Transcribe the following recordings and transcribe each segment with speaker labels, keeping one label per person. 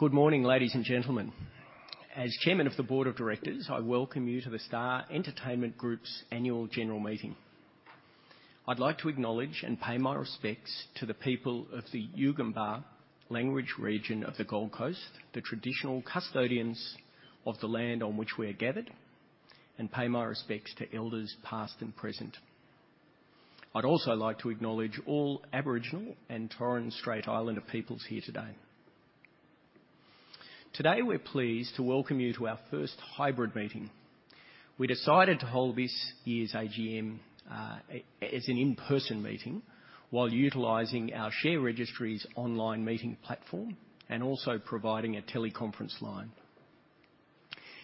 Speaker 1: Good morning, ladies and gentlemen. As Chairman of the Board of Directors, I welcome you to The Star Entertainment Group's annual general meeting. I'd like to acknowledge and pay my respects to the people of the Yugambeh Language Region of the Gold Coast, the traditional custodians of the land on which we are gathered, and pay my respects to elders past and present. I'd also like to acknowledge all Aboriginal and Torres Strait Islander peoples here today. Today, we're pleased to welcome you to our first hybrid meeting. We decided to hold this year's AGM as an in-person meeting while utilizing our share registry's online meeting platform and also providing a teleconference line.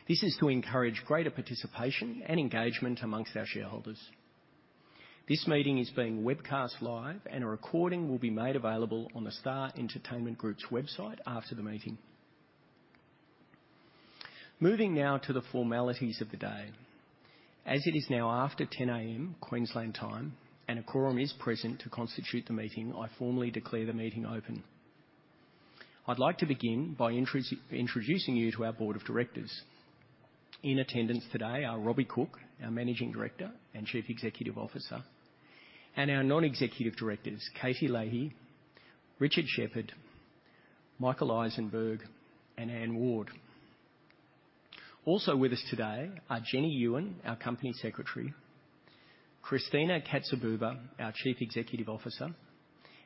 Speaker 1: This is to encourage greater participation and engagement amongst our shareholders. This meeting is being webcast live, and a recording will be made available on The Star Entertainment Group's website after the meeting. Moving now to the formalities of the day. It is now after 10:00 A.M. Queensland time, and a quorum is present to constitute the meeting, I formally declare the meeting open. I'd like to begin by introducing you to our Board of Directors. In attendance today are Robbie Cooke, our Managing Director and Chief Executive Officer, and our Non-Executive Directors, Katie Lahey, Richard Sheppard, Michael Issenberg, and Anne Ward. Also with us today are Jennie Yuen, our Company Secretary, Christina Katsibouba, our Chief Executive Officer,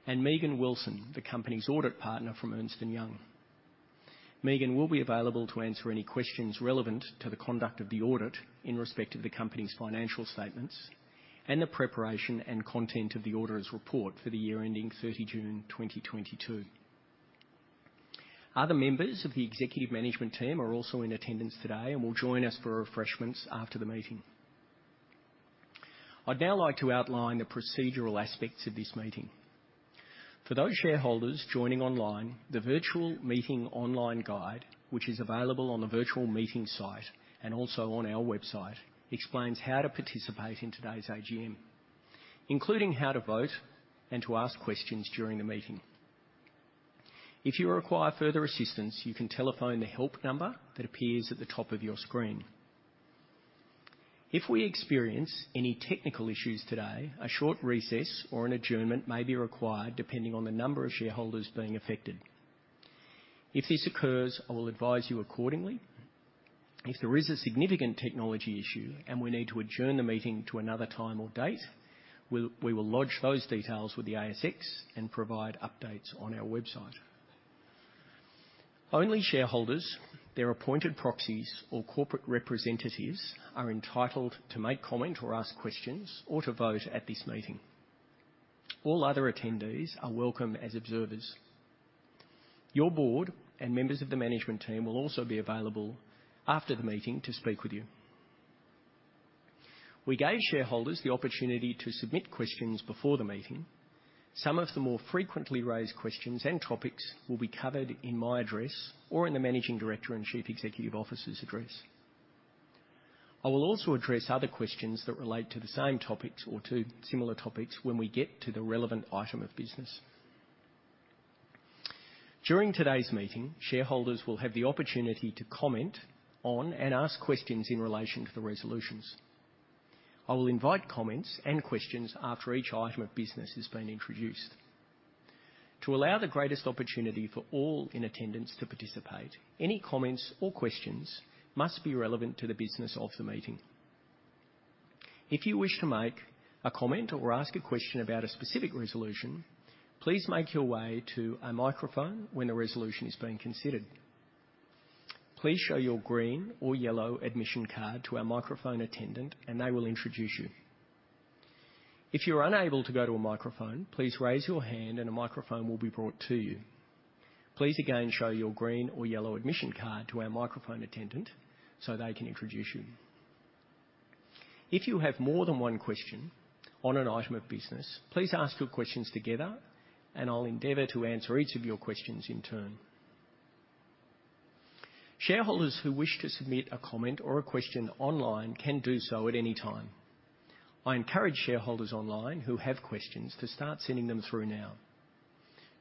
Speaker 1: and Megan Wilson, the company's Audit Partner from Ernst & Young. Megan will be available to answer any questions relevant to the conduct of the audit in respect of the company's financial statements and the preparation and content of the auditor's report for the year ending June 30, 2022. Other members of the executive management team are also in attendance today and will join us for refreshments after the meeting. I'd now like to outline the procedural aspects of this meeting. For those shareholders joining online, the virtual meeting online guide, which is available on the virtual meeting site and also on our website, explains how to participate in today's AGM, including how to vote and to ask questions during the meeting. If you require further assistance, you can telephone the help number that appears at the top of your screen. If we experience any technical issues today, a short recess or an adjournment may be required depending on the number of shareholders being affected. If this occurs, I will advise you accordingly. If there is a significant technology issue and we need to adjourn the meeting to another time or date, we will lodge those details with the ASX and provide updates on our website. Only shareholders, their appointed proxies, or corporate representatives are entitled to make comment or ask questions or to vote at this meeting. All other attendees are welcome as observers. Your board and members of the management team will also be available after the meeting to speak with you. We gave shareholders the opportunity to submit questions before the meeting. Some of the more frequently raised questions and topics will be covered in my address or in the Managing Director and Chief Executive Officer's address. I will also address other questions that relate to the same topics or to similar topics when we get to the relevant item of business. During today's meeting, shareholders will have the opportunity to comment on and ask questions in relation to the resolutions. I will invite comments and questions after each item of business has been introduced. To allow the greatest opportunity for all in attendance to participate, any comments or questions must be relevant to the business of the meeting. If you wish to make a comment or ask a question about a specific resolution, please make your way to a microphone when the resolution is being considered. Please show your green or yellow admission card to our microphone attendant, and they will introduce you. If you're unable to go to a microphone, please raise your hand and a microphone will be brought to you. Please again, show your green or yellow admission card to our microphone attendant so they can introduce you. If you have more than one question on an item of business, please ask your questions together, and I'll endeavor to answer each of your questions in turn. Shareholders who wish to submit a comment or a question online can do so at any time. I encourage shareholders online who have questions to start sending them through now.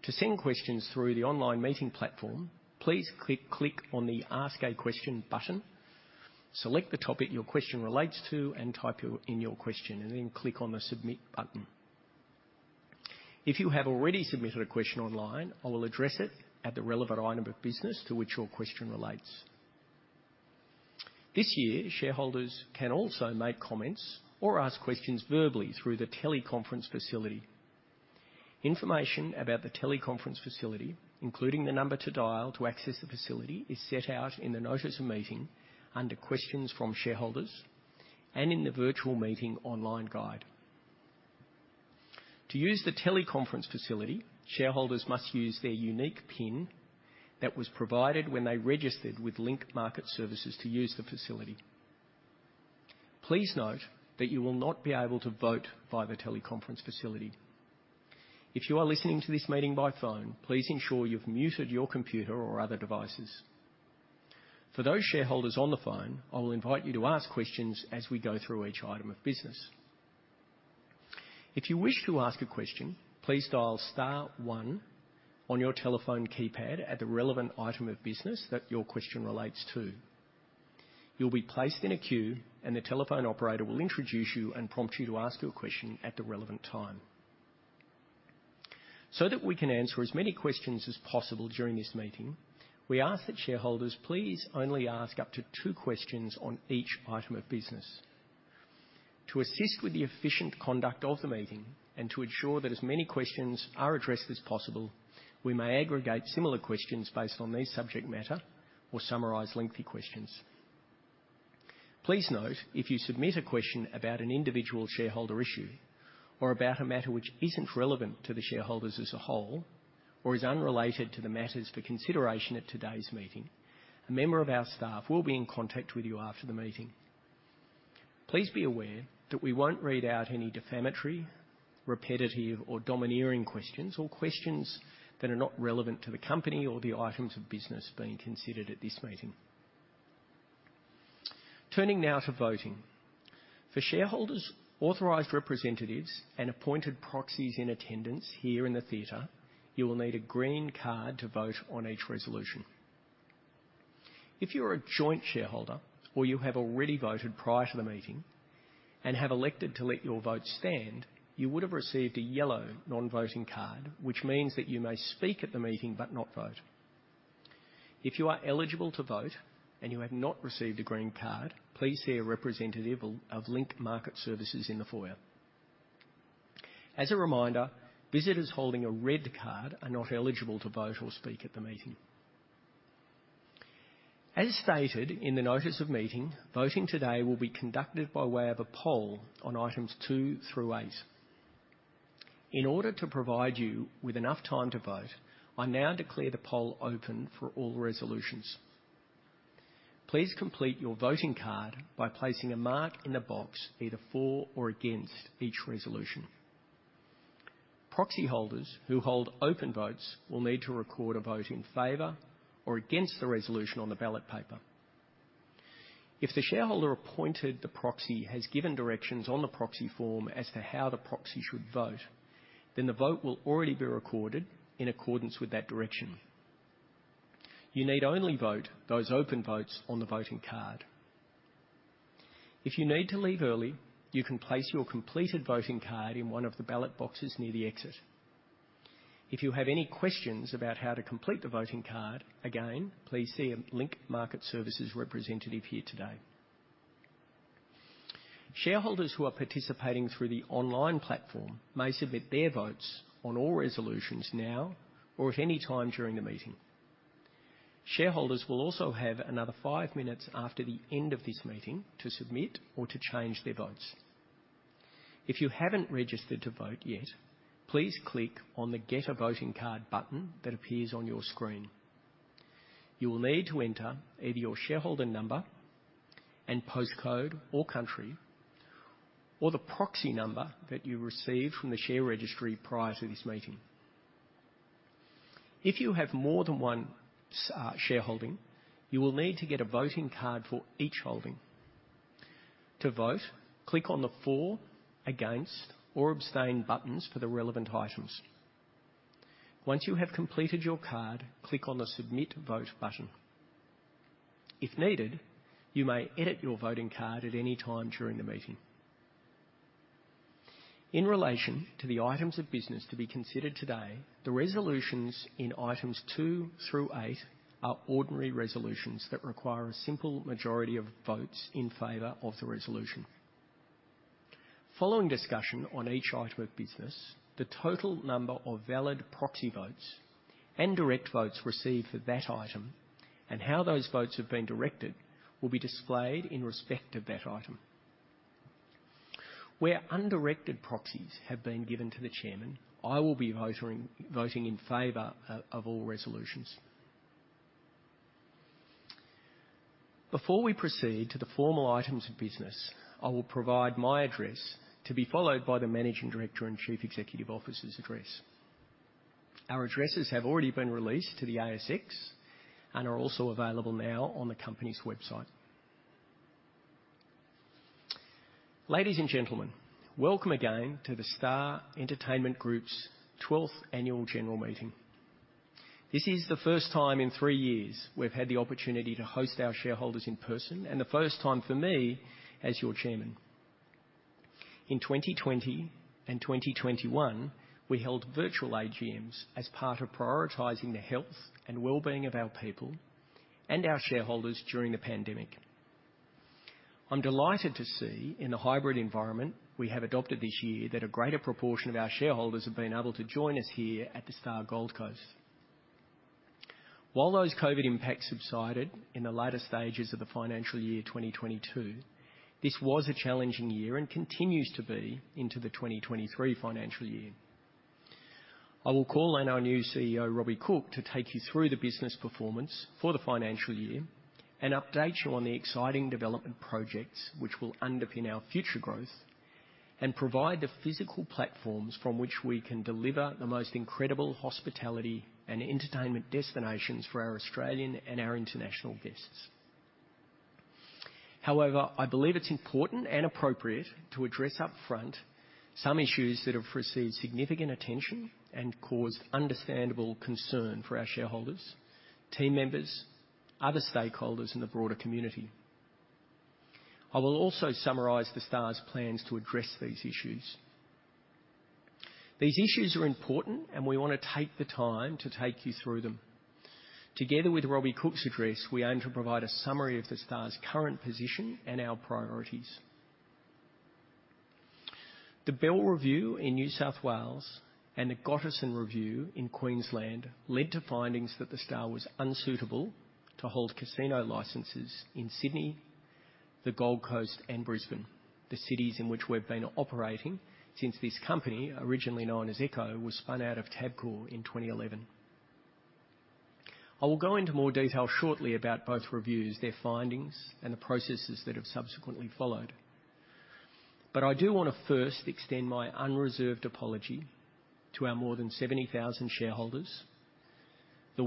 Speaker 1: To send questions through the online meeting platform, please click on the Ask a Question button, select the topic your question relates to, and type in your question, and then click on the Submit button. If you have already submitted a question online, I will address it at the relevant item of business to which your question relates. This year, shareholders can also make comments or ask questions verbally through the teleconference facility. Information about the teleconference facility, including the number to dial to access the facility, is set out in the Notice of Meeting under Questions from Shareholders and in the virtual meeting online guide. To use the teleconference facility, shareholders must use their unique PIN that was provided when they registered with Link Market Services to use the facility. Please note that you will not be able to vote via the teleconference facility. If you are listening to this meeting by phone, please ensure you've muted your computer or other devices. For those shareholders on the phone, I will invite you to ask questions as we go through each item of business. If you wish to ask a question, please dial star one on your telephone keypad at the relevant item of business that your question relates to. You'll be placed in a queue, and the telephone operator will introduce you and prompt you to ask your question at the relevant time. That we can answer as many questions as possible during this meeting, we ask that shareholders please only ask up to two questions on each item of business. To assist with the efficient conduct of the meeting, and to ensure that as many questions are addressed as possible, we may aggregate similar questions based on their subject matter or summarize lengthy questions. Please note, if you submit a question about an individual shareholder issue or about a matter which isn't relevant to the shareholders as a whole, or is unrelated to the matters for consideration at today's meeting, a member of our staff will be in contact with you after the meeting. Please be aware that we won't read out any defamatory, repetitive, or domineering questions, or questions that are not relevant to the company or the items of business being considered at this meeting. Turning now to voting. For shareholders, authorized representatives, and appointed proxies in attendance here in the theater, you will need a green card to vote on each resolution. If you're a joint shareholder or you have already voted prior to the meeting and have elected to let your vote stand, you would have received a yellow non-voting card, which means that you may speak at the meeting but not vote. If you are eligible to vote and you have not received a green card, please see a representative of Link Market Services in the foyer. As a reminder, visitors holding a red card are not eligible to vote or speak at the meeting. As stated in the notice of meeting, voting today will be conducted by way of a poll on items two through eight. In order to provide you with enough time to vote, I now declare the poll open for all resolutions. Please complete your voting card by placing a mark in the box, either for or against each resolution. Proxy holders who hold open votes will need to record a vote in favor or against the resolution on the ballot paper. If the shareholder appointed the proxy has given directions on the proxy form as to how the proxy should vote, then the vote will already be recorded in accordance with that direction. You need only vote those open votes on the voting card. If you need to leave early, you can place your completed voting card in one of the ballot boxes near the exit. If you have any questions about how to complete the voting card, again, please see a Link Market Services representative here today. Shareholders who are participating through the online platform may submit their votes on all resolutions now or at any time during the meeting. Shareholders will also have another five minutes after the end of this meeting to submit or to change their votes. If you haven't registered to vote yet, please click on the Get A Voting Card button that appears on your screen. You will need to enter either your shareholder number and postcode or country, or the proxy number that you received from the share registry prior to this meeting. If you have more than one share holding, you will need to get a voting card for each holding. To vote, click on the For, Against, or Abstain buttons for the relevant items. Once you have completed your card, click on the Submit Vote button. If needed, you may edit your voting card at any time during the meeting. In relation to the items of business to be considered today, the resolutions in items two through eight are ordinary resolutions that require a simple majority of votes in favor of the resolution. Following discussion on each item of business, the total number of valid proxy votes and direct votes received for that item and how those votes have been directed will be displayed in respect to that item. Where undirected proxies have been given to the Chairman, I will be voting in favor of all resolutions. Before we proceed to the formal items of business, I will provide my address to be followed by the Managing Director and Chief Executive Officer's address. Our addresses have already been released to the ASX and are also available now on the company's website. Ladies and gentlemen, welcome again to The Star Entertainment Group's 12th annual general meeting. This is the first time in three years we've had the opportunity to host our shareholders in person, and the first time for me as your chairman. In 2020 and 2021, we held virtual AGMs as part of prioritizing the health and wellbeing of our people and our shareholders during the pandemic. I'm delighted to see in the hybrid environment we have adopted this year that a greater proportion of our shareholders have been able to join us here at The Star Gold Coast. While those COVID impacts subsided in the latter stages of the financial year 2022, this was a challenging year and continues to be into the 2023 financial year. I will call on our new CEO, Robbie Cooke, to take you through the business performance for the financial year and update you on the exciting development projects which will underpin our future growth and provide the physical platforms from which we can deliver the most incredible hospitality and entertainment destinations for our Australian and our international guests. However, I believe it's important and appropriate to address up front some issues that have received significant attention and caused understandable concern for our shareholders, team members, other stakeholders, and the broader community. I will also summarize The Star's plans to address these issues. These issues are important. We wanna take the time to take you through them. Together with Robbie Cooke's address, we aim to provide a summary of The Star's current position and our priorities. The Bell Review in New South Wales and the Gotterson Review in Queensland led to findings that The Star was unsuitable to hold casino licenses in Sydney, the Gold Coast, and Brisbane, the cities in which we've been operating since this company, originally known as Echo, was spun out of Tabcorp in 2011. I will go into more detail shortly about both reviews, their findings, and the processes that have subsequently followed. I do wanna first extend my unreserved apology to our more than 70,000 shareholders, the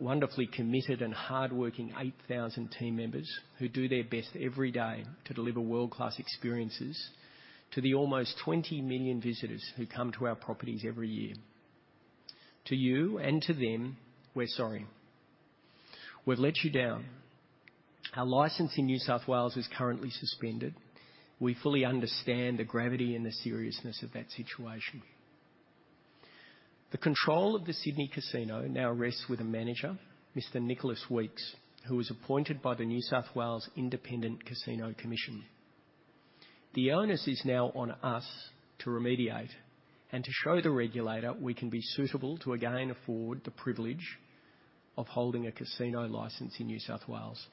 Speaker 1: wonderfully committed and hardworking 8,000 team members who do their best every day to deliver world-class experiences to the almost 20 million visitors who come to our properties every year. To you and to them, we're sorry. We've let you down. Our license in New South Wales is currently suspended. We fully understand the gravity and the seriousness of that situation. The control of the Sydney Casino now rests with a manager, Mr. Nicholas Weeks, who was appointed by the New South Wales Independent Casino Commission. The onus is now on us to remediate and to show the regulator we can be suitable to again afford the privilege of holding a casino license in New South Wales.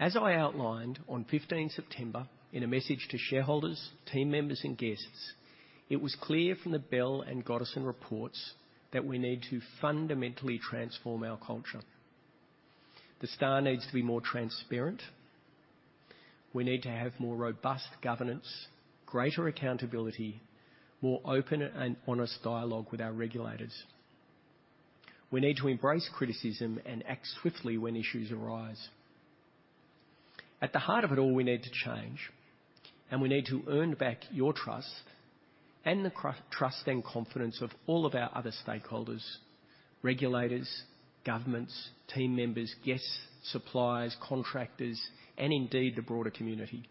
Speaker 1: As I outlined on September 15th in a message to shareholders, team members, and guests, it was clear from the Bell and Gotterson reports that we need to fundamentally transform our culture. The Star needs to be more transparent. We need to have more robust governance, greater accountability, more open and honest dialogue with our regulators. We need to embrace criticism and act swiftly when issues arise. At the heart of it all, we need to change, and we need to earn back your trust and confidence of all of our other stakeholders, regulators, governments, team members, guests, suppliers, contractors, and indeed, the broader community.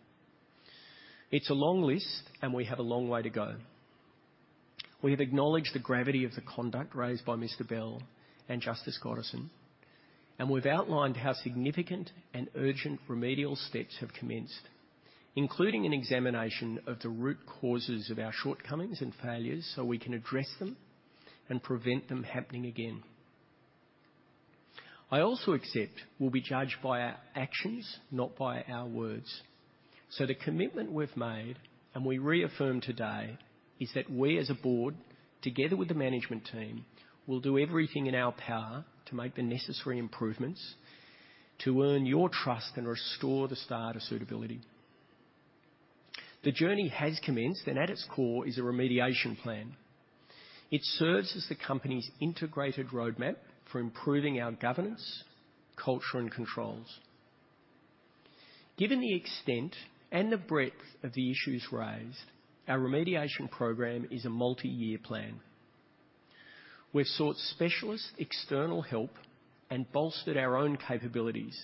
Speaker 1: It's a long list, and we have a long way to go. We have acknowledged the gravity of the conduct raised by Mr. Bell and Justice Gotterson, and we've outlined how significant and urgent remedial steps have commenced, including an examination of the root causes of our shortcomings and failures so we can address them and prevent them happening again. I also accept we'll be judged by our actions, not by our words, so the commitment we've made, and we reaffirm today, is that we as a board, together with the management team, will do everything in our power to make the necessary improvements to earn your trust and restore The Star to suitability. The journey has commenced and at its core is a remediation plan. It serves as the company's integrated roadmap for improving our governance, culture, and controls. Given the extent and the breadth of the issues raised, our remediation program is a multi-year plan. We've sought specialist external help and bolstered our own capabilities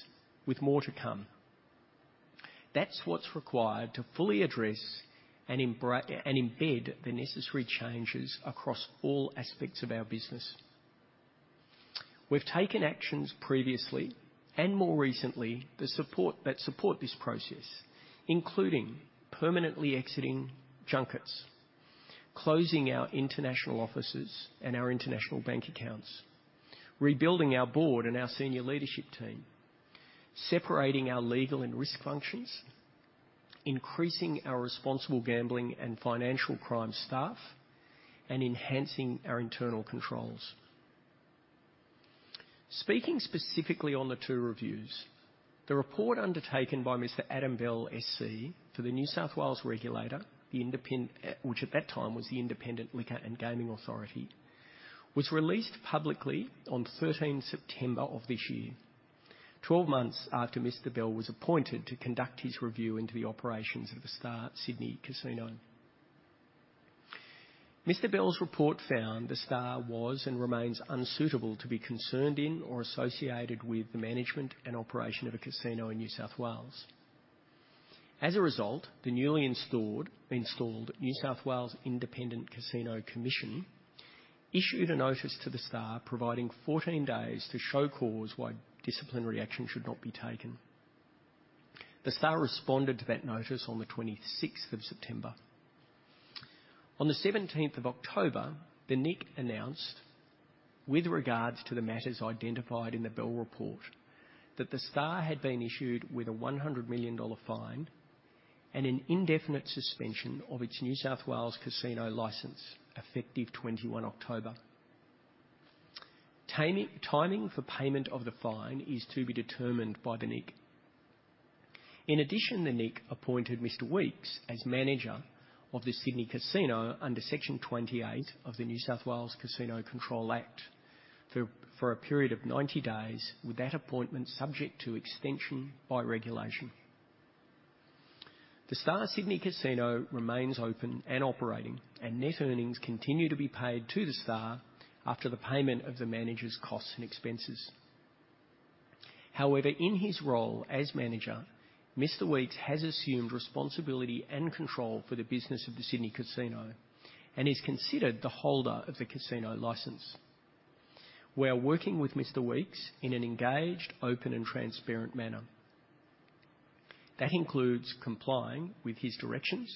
Speaker 1: with more to come. That's what's required to fully address and embed the necessary changes across all aspects of our business. We've taken actions previously and more recently, that support this process, including permanently exiting junkets, closing our international offices and our international bank accounts, rebuilding our board and our senior leadership team, separating our legal and risk functions, increasing our responsible gambling and financial crime staff, enhancing our internal controls. Speaking specifically on the two reviews, the report undertaken by Mr. Adam Bell SC for the New South Wales regulator, which at that time was the Independent Liquor and Gaming Authority, was released publicly on September 13th of this year, 12 months after Mr. Bell was appointed to conduct his review into the operations of The Star at Sydney Casino. Mr. Bell's report found The Star was and remains unsuitable to be concerned in or associated with the management and operation of a casino in New South Wales. The newly installed New South Wales Independent Casino Commission issued a notice to The Star, providing 14 days to show cause why disciplinary action should not be taken. The Star responded to that notice on the September 26th. The October 17th, the NIC announced, with regards to the matters identified in the Bell report, that The Star had been issued with a $100 million fine and an indefinite suspension of its New South Wales casino license, effective October 21. Timing for payment of the fine is to be determined by the NIC. The NIC appointed Mr. Weeks as manager of the Sydney Casino under Section 28 of the New South Wales Casino Control Act for a period of 90 days, with that appointment subject to extension by regulation. The Star Sydney Casino remains open and operating. Net earnings continue to be paid to The Star after the payment of the manager's costs and expenses. However, in his role as manager, Mr. Weeks has assumed responsibility and control for the business of the Sydney Casino and is considered the holder of the casino license. We are working with Mr. Weeks in an engaged, open, and transparent manner. That includes complying with his directions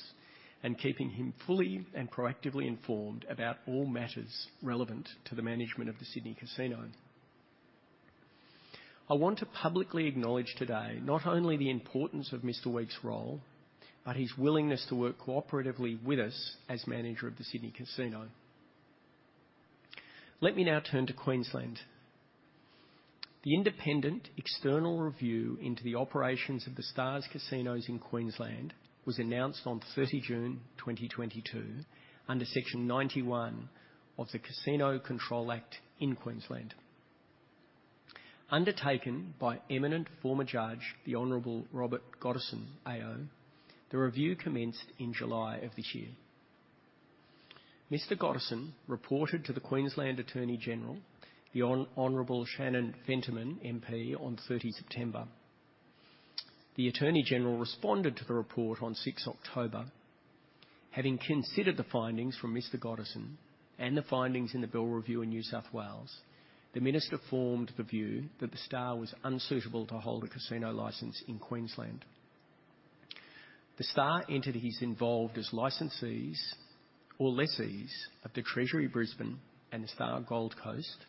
Speaker 1: and keeping him fully and proactively informed about all matters relevant to the management of the Sydney Casino. I want to publicly acknowledge today not only the importance of Mr. Weeks' role, but his willingness to work cooperatively with us as manager of the Sydney Casino. Let me now turn to Queensland. The independent external review into the operations of The Star's casinos in Queensland was announced on June 30, 2022 under Section 91 of the Casino Control Act in Queensland. Undertaken by eminent former judge, the Honorable Robert Gotterson AO, the review commenced in July of this year. Mr. Gotterson reported to the Queensland Attorney General, the Honourable Shannon Fentiman MP on September 30. The Attorney General responded to the report on October 6. Having considered the findings from Mr. Gotterson and the findings in the Bell review in New South Wales, the Minister formed the view that The Star was unsuitable to hold a casino license in Queensland. The Star entities involved as licensees or lessees of the Treasury Brisbane and The Star Gold Coast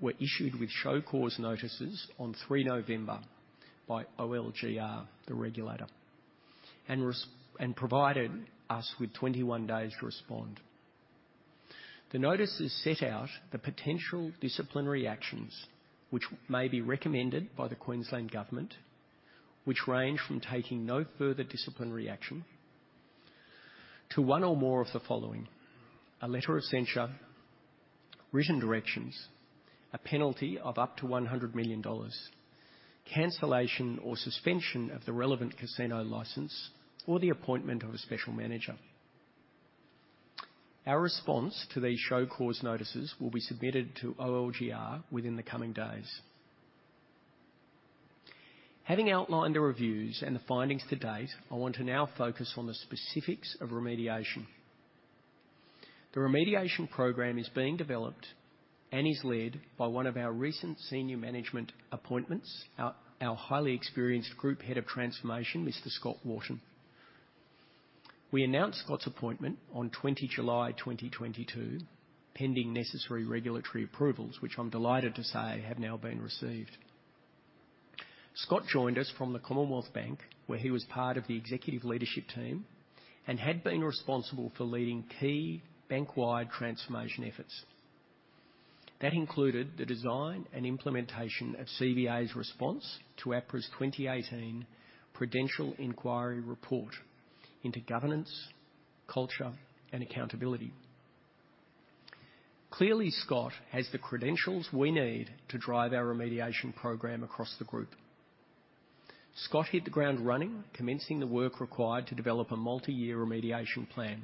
Speaker 1: were issued with show cause notices on November 3 by OLGR, the regulator, and provided us with 21 days to respond. The notices set out the potential disciplinary actions which may be recommended by the Queensland Government, which range from taking no further disciplinary action to one or more of the following: a letter of censure, written directions, a penalty of up to 100 million dollars, cancellation or suspension of the relevant casino license, or the appointment of a special manager. Our response to these show cause notices will be submitted to OLGR within the coming days. Having outlined the reviews and the findings to date, I want to now focus on the specifics of remediation. The remediation program is being developed and is led by one of our recent senior management appointments, our highly experienced Group Head of Transformation, Mr. Scott Wharton. We announced Scott's appointment on July 20, 2022, pending necessary regulatory approvals, which I'm delighted to say have now been received. Scott joined us from the Commonwealth Bank, where he was part of the executive leadership team and had been responsible for leading key bank-wide transformation efforts. That included the design and implementation of CBA's response to APRA's 2018 Prudential Inquiry report into governance, culture, and accountability. Clearly, Scott has the credentials we need to drive our remediation program across the group. Scott hit the ground running, commencing the work required to develop a multi-year remediation plan.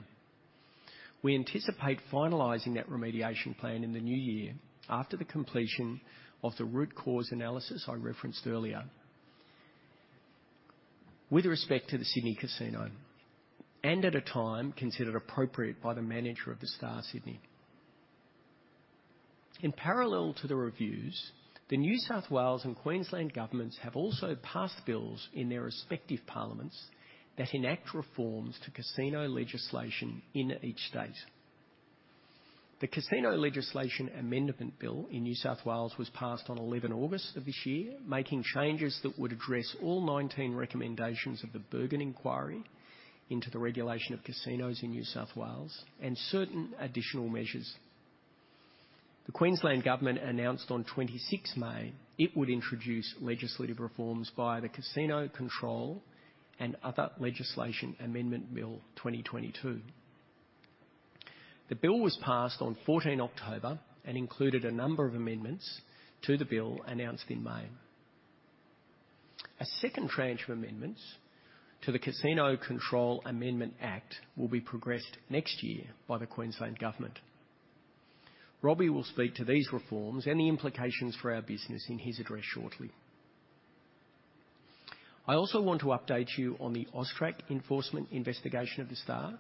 Speaker 1: We anticipate finalizing that remediation plan in the new year after the completion of the root cause analysis I referenced earlier. With respect to the Sydney Casino and at a time considered appropriate by the manager of The Star Sydney. In parallel to the reviews, the New South Wales and Queensland governments have also passed bills in their respective parliaments that enact reforms to casino legislation in each state. The Casino Legislation Amendment Bill in New South Wales was passed on August 11th of this year, making changes that would address all 19 recommendations of the Bergin Inquiry into the regulation of casinos in New South Wales and certain additional measures. The Queensland Government announced on May 26th it would introduce legislative reforms via the Casino Control and Other Legislation Amendment Bill 2022. The bill was passed on October 14th and included a number of amendments to the bill announced in May. A second tranche of amendments to the Casino Control Amendment Act will be progressed next year by the Queensland Government. Robbie will speak to these reforms and the implications for our business in his address shortly. I also want to update you on the AUSTRAC enforcement investigation of The Star.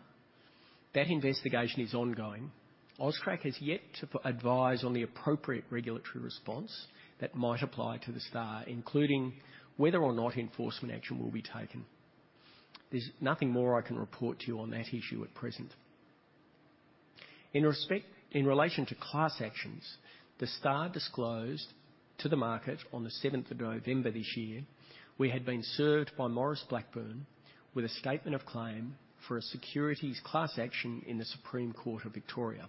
Speaker 1: That investigation is ongoing. AUSTRAC has yet to advise on the appropriate regulatory response that might apply to The Star, including whether or not enforcement action will be taken. There's nothing more I can report to you on that issue at present. In relation to class actions, The Star disclosed to the market on the November 7th this year, we had been served by Maurice Blackburn with a statement of claim for a securities class action in the Supreme Court of Victoria.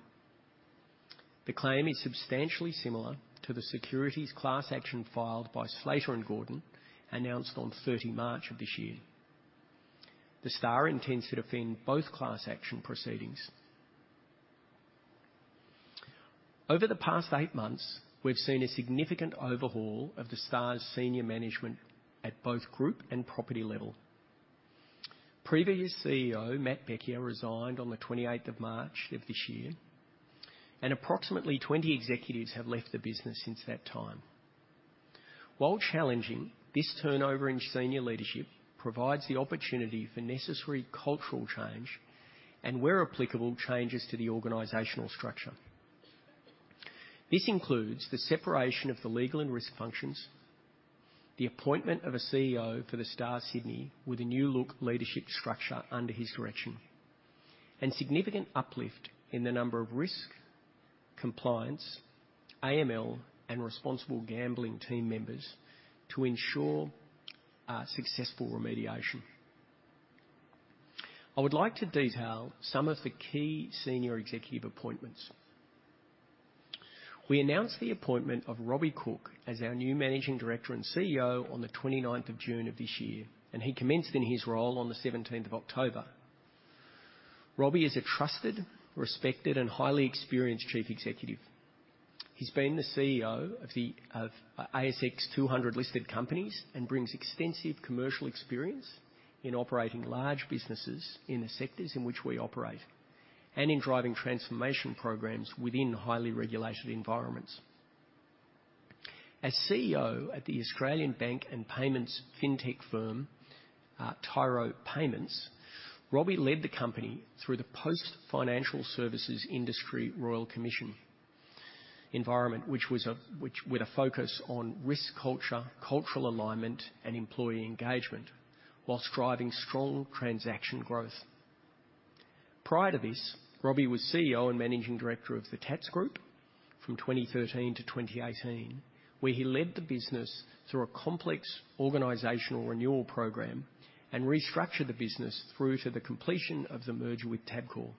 Speaker 1: The claim is substantially similar to the securities class action filed by Slater and Gordon, announced on March 30 of this year. The Star intends to defend both class action proceedings. Over the past eight months, we've seen a significant overhaul of The Star's senior management at both group and property level. Previous CEO, Matt Bekier, resigned on the March 28th of this year. Approximately 20 executives have left the business since that time. While challenging, this turnover in senior leadership provides the opportunity for necessary cultural change and where applicable, changes to the organizational structure. This includes the separation of the legal and risk functions, the appointment of a CEO for The Star Sydney with a new-look leadership structure under his direction, and significant uplift in the number of risk, compliance, AML, and responsible gambling team members to ensure successful remediation. I would like to detail some of the key senior executive appointments. We announced the appointment of Robbie Cooke as our new Managing Director and CEO on the 29th of June of this year. He commenced in his role on the 17th of October. Robbie is a trusted, respected, and highly experienced chief executive. He's been CEO of ASX 200 listed companies and brings extensive commercial experience in operating large businesses in the sectors in which we operate and in driving transformation programs within highly regulated environments. As CEO at the Australian bank and payments fintech firm, Tyro Payments, Robbie led the company through the post-financial services industry Royal Commission environment, with a focus on risk culture, cultural alignment, and employee engagement whilst driving strong transaction growth. Prior to this, Robbie was CEO and Managing Director of the Tatts Group from 2013 to 2018, where he led the business through a complex organizational renewal program and restructured the business through to the completion of the merger with Tabcorp.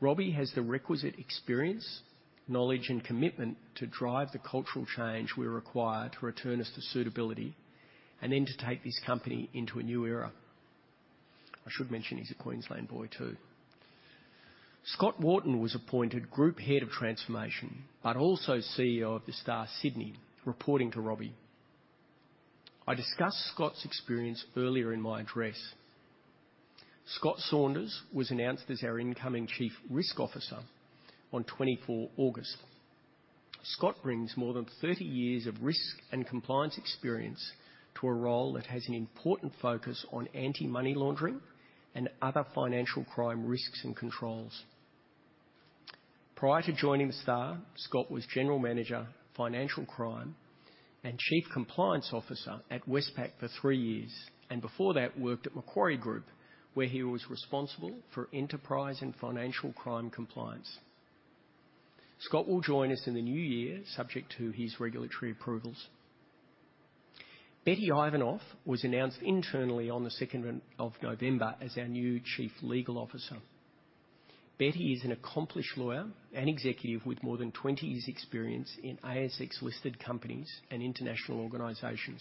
Speaker 1: Robbie has the requisite experience, knowledge, and commitment to drive the cultural change we require to return us to suitability and then to take this company into a new era. I should mention he's a Queensland boy, too. Scott Wharton was appointed Group Head of Transformation, but also CEO of The Star Sydney, reporting to Robbie. I discussed Scott's experience earlier in my address. Scott Saunders was announced as our incoming Chief Risk Officer on 24th August. Scott brings more than 30 years of risk and compliance experience to a role that has an important focus on anti-money laundering and other financial crime risks and controls. Prior to joining The Star, Scott was General Manager, Financial Crime and Chief Compliance Officer at Westpac for three years, and before that, worked at Macquarie Group, where he was responsible for enterprise and financial crime compliance. Scott will join us in the new year, subject to his regulatory approvals. Betty Ivanoff was announced internally on the 2nd of November as our new Chief Legal Officer. Betty is an accomplished lawyer and executive with more than 20 years' experience in ASX-listed companies and international organizations.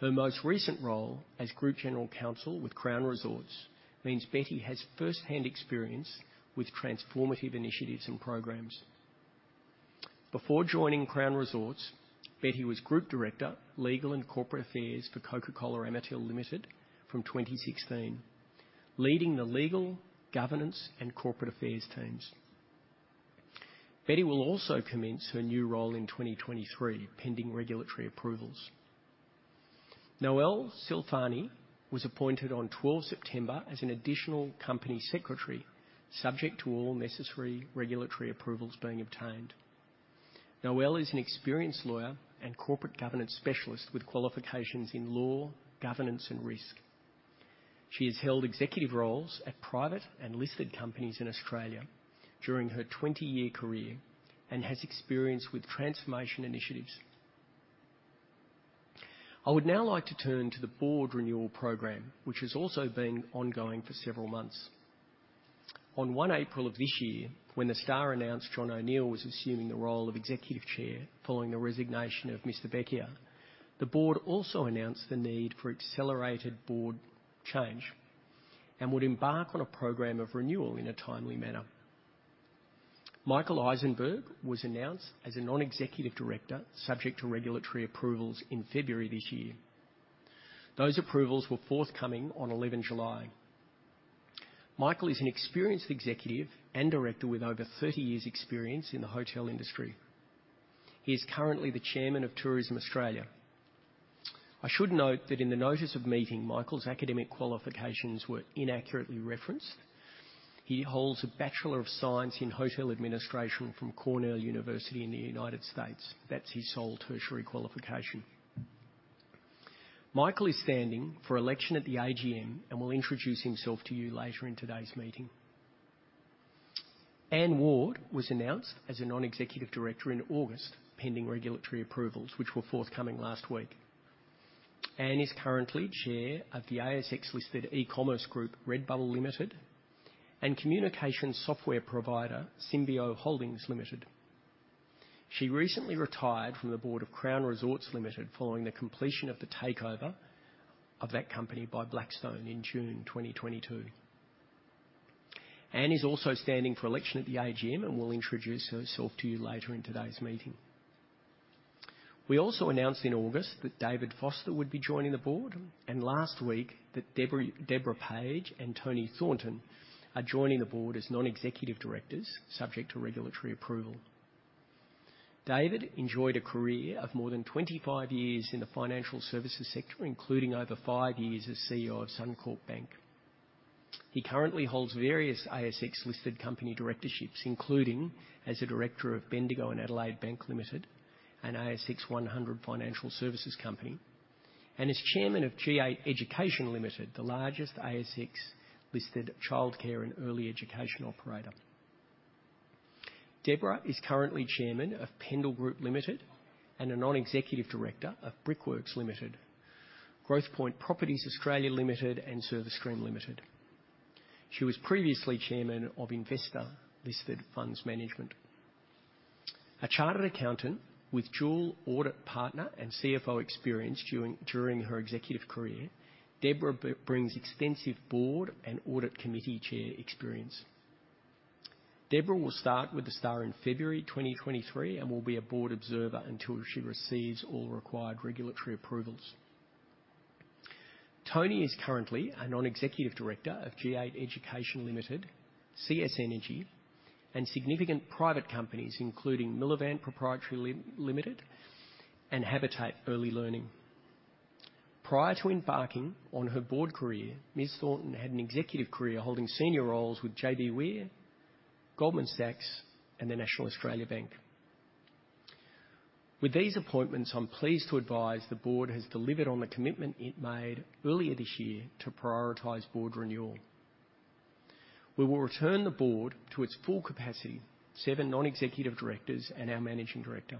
Speaker 1: Her most recent role as Group General Counsel with Crown Resorts means Betty has firsthand experience with transformative initiatives and programs. Before joining Crown Resorts, Betty was Group Director, Legal and Corporate Affairs for Coca-Cola Amatil Limited from 2016, leading the legal, governance, and corporate affairs teams. Betty will also commence her new role in 2023, pending regulatory approvals. Noelle Silfani was appointed on 12th September as an additional company secretary, subject to all necessary regulatory approvals being obtained. Noelle is an experienced lawyer and corporate governance specialist with qualifications in law, governance, and risk. She has held executive roles at private and listed companies in Australia during her 20-year career and has experience with transformation initiatives. I would now like to turn to the board renewal program, which has also been ongoing for several months. On 1 April of this year, when The Star announced John O'Neill was assuming the role of Executive Chair following the resignation of Mr. Bekier, the board also announced the need for accelerated board change and would embark on a program of renewal in a timely manner. Michael Issenberg was announced as a Non-Executive Director subject to regulatory approvals in February this year. Those approvals were forthcoming on 11th July. Michael is an experienced executive and director with over 30 years' experience in the hotel industry. He is currently the Chairman of Tourism Australia. I should note that in the notice of meeting, Michael's academic qualifications were inaccurately referenced. He holds a Bachelor of Science in Hotel Administration from Cornell University in the United States. That's his sole tertiary qualification. Michael is standing for election at the AGM and will introduce himself to you later in today's meeting. Anne Ward was announced as a Non-Executive Director in August, pending regulatory approvals, which were forthcoming last week. Anne is currently chair of the ASX-listed eCommerce group, Redbubble Limited, and communication software provider, Symbio Holdings Limited. She recently retired from the board of Crown Resorts Limited following the completion of the takeover of that company by Blackstone in June 2022. Anne is also standing for election at the AGM, and will introduce herself to you later in today's meeting. We also announced in August that David Foster would be joining the board, and last week that Deborah Page and Toni Thornton are joining the board as Non-Executive Directors, subject to regulatory approval. David enjoyed a career of more than 25 years in the financial services sector, including over five years as CEO of Suncorp Bank. He currently holds various ASX-listed company directorships, including as a director of Bendigo and Adelaide Bank Limited, an ASX 100 financial services company, and as chairman of G8 Education Limited, the largest ASX-listed childcare and early education operator. Deborah is currently chairman of Pendal Group Limited and a Non-Executive Director of Brickworks Limited, Growthpoint Properties Australia Limited, and Service Stream Limited. She was previously chairman of Investa Listed Funds Management. A chartered accountant with dual audit partner and CFO experience during her executive career, Deborah brings extensive board and audit committee chair experience. Deborah will start with The Star in February 2023 and will be a board observer until she receives all required regulatory approvals. Toni is currently a Non-Executive Director of G8 Education Limited, CS Energy, and significant private companies, including Millovran Pty Ltd and Habitat Early Learning. Prior to embarking on her board career, Ms. Thornton had an executive career holding senior roles with JBWere, Goldman Sachs, and the National Australia Bank. With these appointments, I'm pleased to advise the board has delivered on the commitment it made earlier this year to prioritize board renewal. We will return the board to its full capacity, seven Non-Executive Directors and our Managing Director.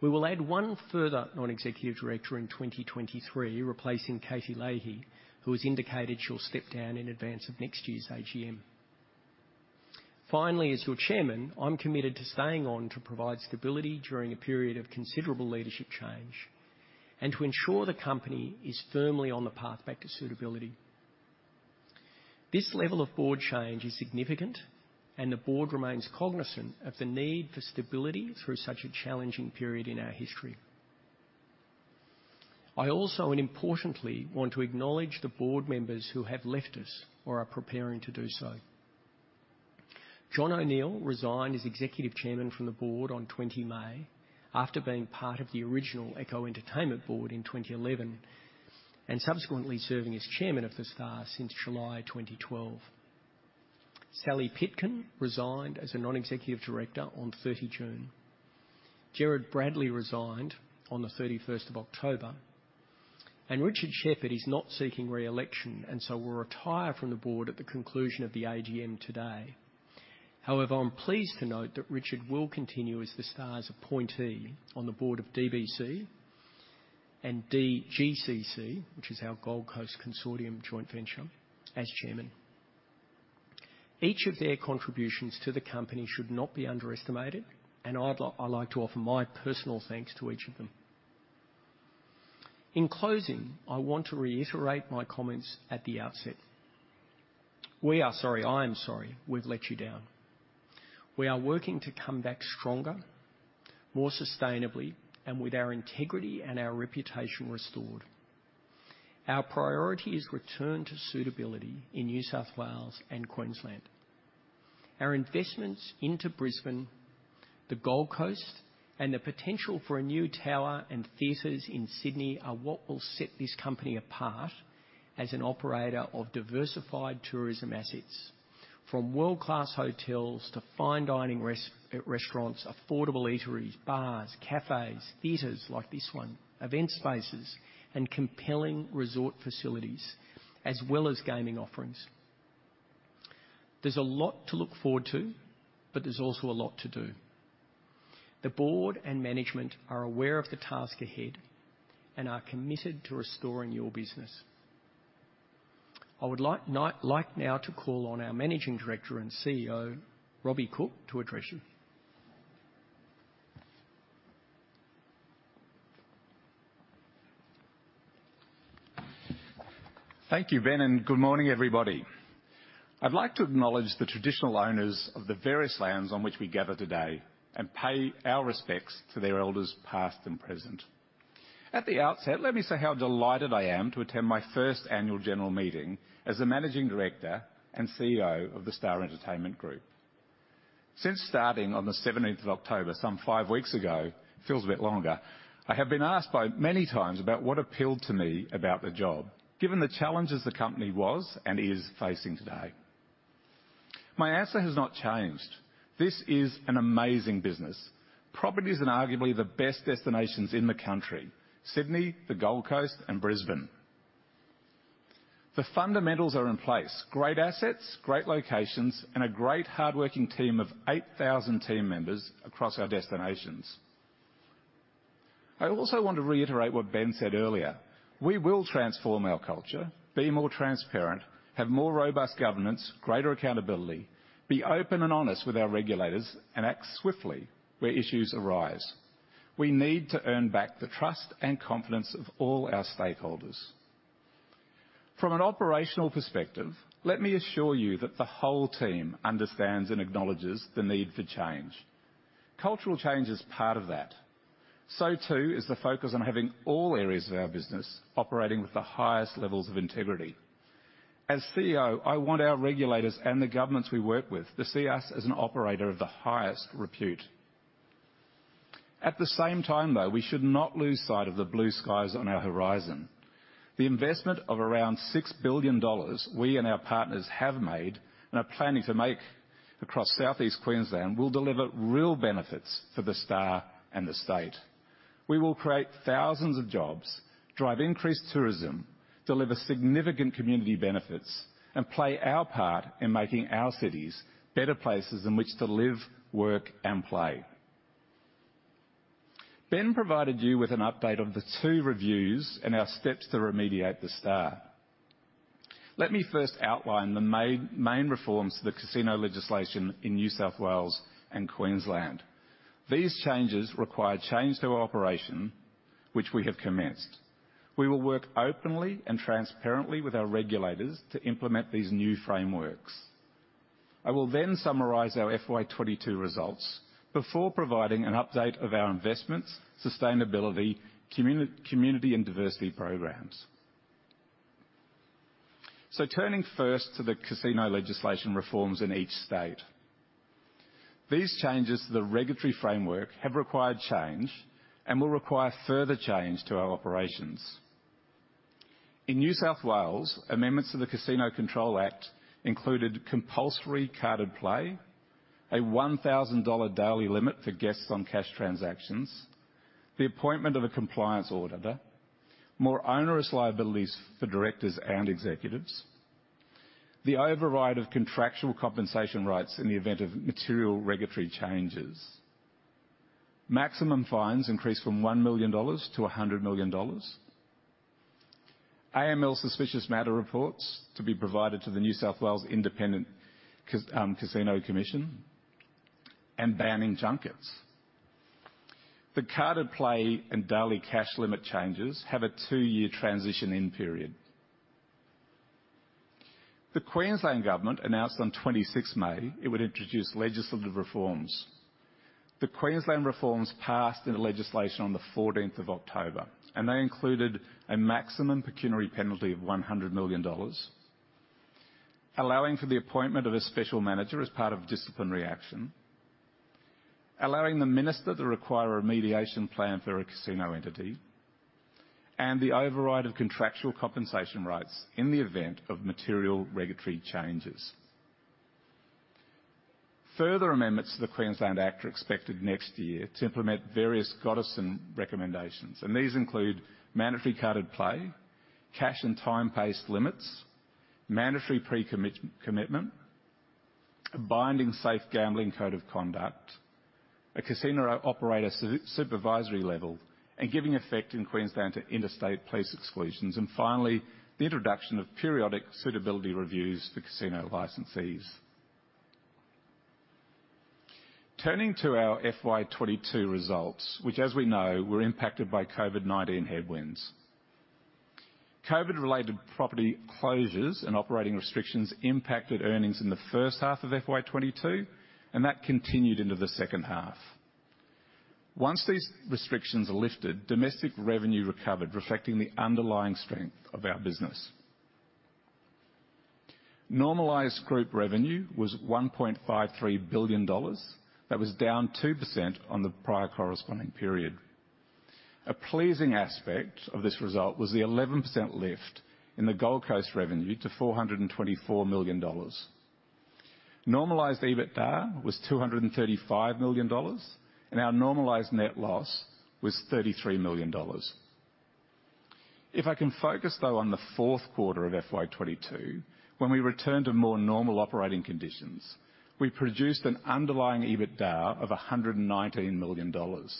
Speaker 1: We will add one further Non-Executive Director in 2023, replacing Katie Lahey, who has indicated she'll step down in advance of next year's AGM. As your Chairman, I'm committed to staying on to provide stability during a period of considerable leadership change and to ensure the company is firmly on the path back to suitability. This level of board change is significant. The board remains cognizant of the need for stability through such a challenging period in our history. I also, and importantly, want to acknowledge the board members who have left us or are preparing to do so. John O'Neill resigned as Executive Chairman from the board on 20 May after being part of the original Echo Entertainment Group Board in 2011, and subsequently serving as Chairman of The Star since July 2012. Sally Pitkin resigned as a Non-Executive Director on 30 June. Gerard Bradley resigned on the 31st of October. Richard Sheppard is not seeking re-election, and so will retire from the board at the conclusion of the AGM today. However, I'm pleased to note that Richard will continue as The Star's appointee on the board of DBC and DGCC, which is our Gold Coast Consortium joint venture, as Chairman. Each of their contributions to the company should not be underestimated, and I'd like to offer my personal thanks to each of them. In closing, I want to reiterate my comments at the outset. We are sorry, I am sorry we've let you down. We are working to come back stronger, more sustainably, and with our integrity and our reputation restored. Our priority is return to suitability in New South Wales and Queensland. Our investments into Brisbane, the Gold Coast, and the potential for a new tower and theaters in Sydney are what will set this company apart as an operator of diversified tourism assets, from world-class hotels to fine dining restaurants, affordable eateries, bars, cafes, theaters like this one, event spaces, and compelling resort facilities, as well as gaming offerings. There's a lot to look forward to, but there's also a lot to do. The board and management are aware of the task ahead and are committed to restoring your business. I would like now to call on our Managing Director and CEO, Robbie Cooke, to address you.
Speaker 2: Thank you, Ben. Good morning, everybody. I'd like to acknowledge the traditional owners of the various lands on which we gather today and pay our respects to their elders, past and present. At the outset, let me say how delighted I am to attend my first annual general meeting as the Managing Director and CEO of The Star Entertainment Group. Since starting on the 17th of October, some five weeks ago, feels a bit longer, I have been asked many times about what appealed to me about the job, given the challenges the company was and is facing today. My answer has not changed. This is an amazing business. Properties in arguably the best destinations in the country, Sydney, the Gold Coast, and Brisbane. The fundamentals are in place, great assets, great locations, and a great hard-working team of 8,000 team members across our destinations. I also want to reiterate what Ben said earlier. We will transform our culture, be more transparent, have more robust governance, greater accountability, be open and honest with our regulators, and act swiftly where issues arise. We need to earn back the trust and confidence of all our stakeholders. From an operational perspective, let me assure you that the whole team understands and acknowledges the need for change. Cultural change is part of that. Too, is the focus on having all areas of our business operating with the highest levels of integrity. As CEO, I want our regulators and the governments we work with to see us as an operator of the highest repute. At the same time, though, we should not lose sight of the blue skies on our horizon. The investment of around 6 billion dollars we and our partners have made and are planning to make across Southeast Queensland will deliver real benefits for The Star and the state. We will create thousands of jobs, drive increased tourism, deliver significant community benefits, and play our part in making our cities better places in which to live, work, and play. Ben provided you with an update of the two reviews and our steps to remediate The Star. Let me first outline the main reforms to the casino legislation in New South Wales and Queensland. These changes require change to our operation, which we have commenced. We will work openly and transparently with our regulators to implement these new frameworks. I will then summarize our FY 2022 results before providing an update of our investments, sustainability, community and diversity programs. Turning first to the casino legislation reforms in each state. These changes to the regulatory framework have required change and will require further change to our operations. In New South Wales, amendments to the Casino Control Act included compulsory carded play, a $1,000 daily limit for guests on cash transactions, the appointment of a compliance auditor, more onerous liabilities for directors and executives, the override of contractual compensation rights in the event of material regulatory changes. Maximum fines increased from $1 million to $100 million. AML suspicious matter reports to be provided to the New South Wales Independent Casino Commission and banning junkets. The carded play and daily cash limit changes have a two-year transition in period. The Queensland Government announced on 26th May it would introduce legislative reforms. The Queensland reforms passed into legislation on the 14th of October. They included a maximum pecuniary penalty of $100 million, allowing for the appointment of a special manager as part of disciplinary action, allowing the minister to require a remediation plan for a casino entity, and the override of contractual compensation rights in the event of material regulatory changes. Further amendments to the Queensland Act are expected next year to implement various Gotterson recommendations. These include mandatory carded play, cash and time-based limits, mandatory pre-commitment, a binding safe gambling code of conduct, a casino operator supervisory level, and giving effect in Queensland to interstate police exclusions. Finally, the introduction of periodic suitability reviews for casino licensees. Turning to our FY 2022 results, which as we know, were impacted by COVID-19 headwinds. COVID-related property closures and operating restrictions impacted earnings in the first half of FY 2022, and that continued into the second half. Once these restrictions are lifted, domestic revenue recovered, reflecting the underlying strength of our business. Normalized group revenue was 1.53 billion dollars. That was down 2% on the prior corresponding period. A pleasing aspect of this result was the 11% lift in the Gold Coast revenue to 424 million dollars. Normalized EBITDA was 235 million dollars, and our normalized net loss was 33 million dollars. If I can focus, though, on the fourth quarter of FY 2022, when we returned to more normal operating conditions, we produced an underlying EBITDA of 119 million dollars.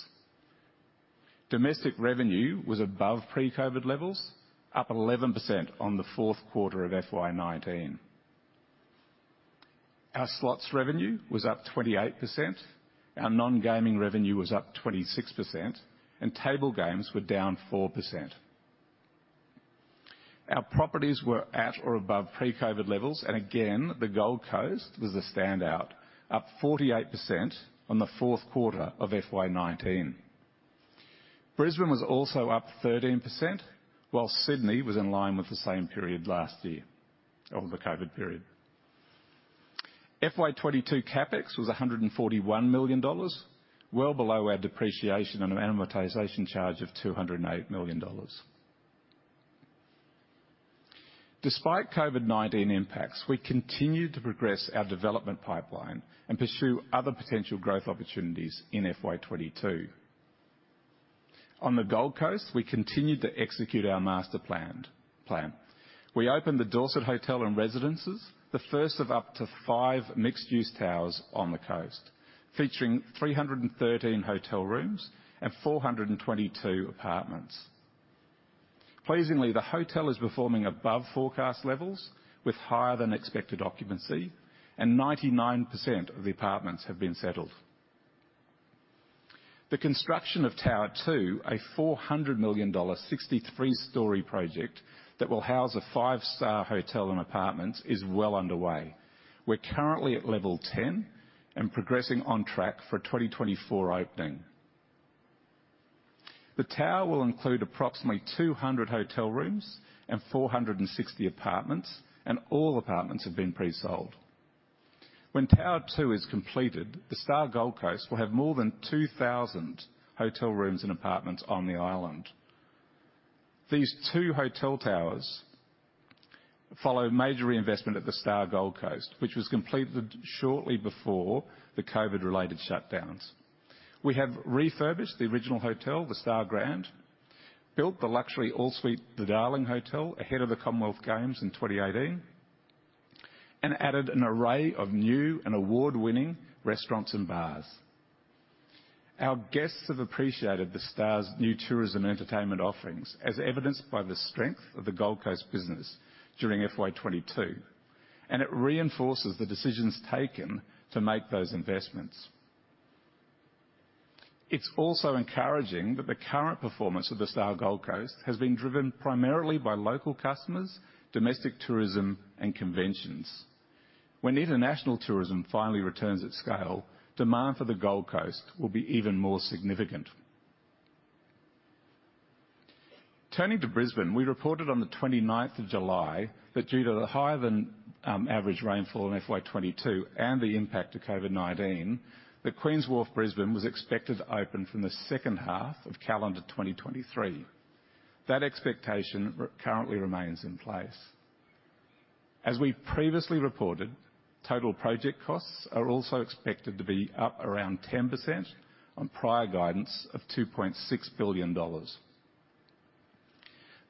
Speaker 2: Domestic revenue was above pre-COVID levels, up 11% on the fourth quarter of FY 2019. Our slots revenue was up 28%, our non-gaming revenue was up 26%, and table games were down 4%. Our properties were at or above pre-COVID levels, and again, the Gold Coast was a standout, up 48% on the fourth quarter of FY 2019. Brisbane was also up 13%, while Sydney was in line with the same period last year of the COVID period. FY 2022 CapEx was 141 million dollars, well below our depreciation and amortization charge of 208 million dollars. Despite COVID-19 impacts, we continued to progress our development pipeline and pursue other potential growth opportunities in FY 2022. On the Gold Coast, we continued to execute our master plan. We opened the Dorsett Hotel and Residences, the first of up to five mixed-use towers on the coast, featuring 313 hotel rooms and 422 apartments. Pleasingly, the hotel is performing above forecast levels with higher than expected occupancy and 99% of the apartments have been settled. The construction of Tower 2, a 400 million dollar, 63-story project that will house a five-star hotel and apartments, is well underway. We're currently at level 10 and progressing on track for a 2024 opening. The tower will include approximately 200 hotel rooms and 460 apartments, and all apartments have been presold. When Tower 2 is completed, The Star Gold Coast will have more than 2,000 hotel rooms and apartments on the island. These two hotel towers follow major reinvestment at The Star Gold Coast, which was completed shortly before the COVID-related shutdowns. We have refurbished the original hotel, The Star Grand, built the luxury all-suite The Darling hotel ahead of the Commonwealth Games in 2018, and added an array of new and award-winning restaurants and bars. Our guests have appreciated The Star's new tourism entertainment offerings, as evidenced by the strength of the Gold Coast business during FY 2022, and it reinforces the decisions taken to make those investments. It's also encouraging that the current performance of The Star Gold Coast has been driven primarily by local customers, domestic tourism, and conventions. When international tourism finally returns at scale, demand for the Gold Coast will be even more significant. Turning to Brisbane, we reported on the 29th of July that due to the higher than average rainfall in FY 2022 and the impact of COVID-19, that Queen's Wharf Brisbane was expected to open from the second half of calendar 2023. That expectation currently remains in place. As we previously reported, total project costs are also expected to be up around 10% on prior guidance of 2.6 billion dollars.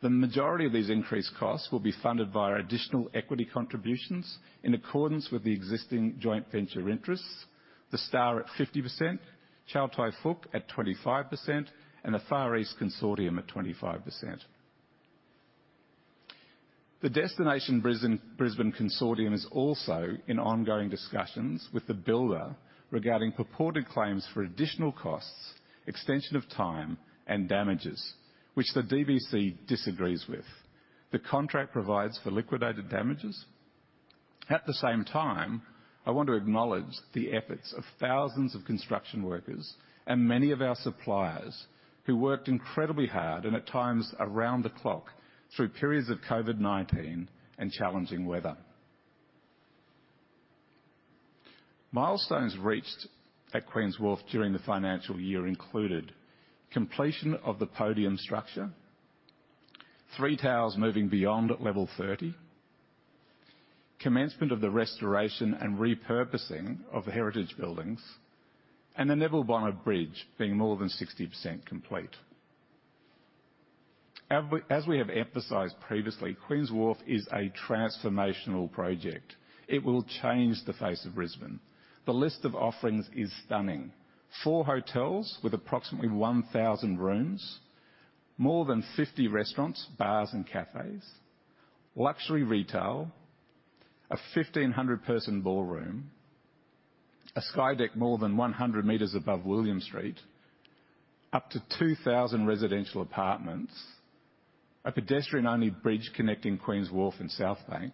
Speaker 2: The majority of these increased costs will be funded via additional equity contributions in accordance with the existing joint venture interests. The Star at 50%, Chow Tai Fook at 25%, and the Far East Consortium at 25%. The Destination Brisbane Consortium is also in ongoing discussions with the builder regarding purported claims for additional costs, extension of time, and damages, which the DBC disagrees with. The contract provides for liquidated damages. At the same time, I want to acknowledge the efforts of thousands of construction workers and many of our suppliers who worked incredibly hard and at times around the clock through periods of COVID-19 and challenging weather. Milestones reached at Queen's Wharf during the financial year included completion of the podium structure, three towers moving beyond level 30, commencement of the restoration and repurposing of heritage buildings, and the Neville Bonner Bridge being more than 60% complete. As we have emphasized previously, Queen's Wharf is a transformational project. It will change the face of Brisbane. The list of offerings is stunning. Four hotels with approximately 1,000 rooms, more than 50 restaurants, bars and cafes, luxury retail, a 1,500 person ballroom, a sky deck more than 100 meters above William Street, up to 2,000 residential apartments, a pedestrian-only bridge connecting Queen's Wharf and South Bank,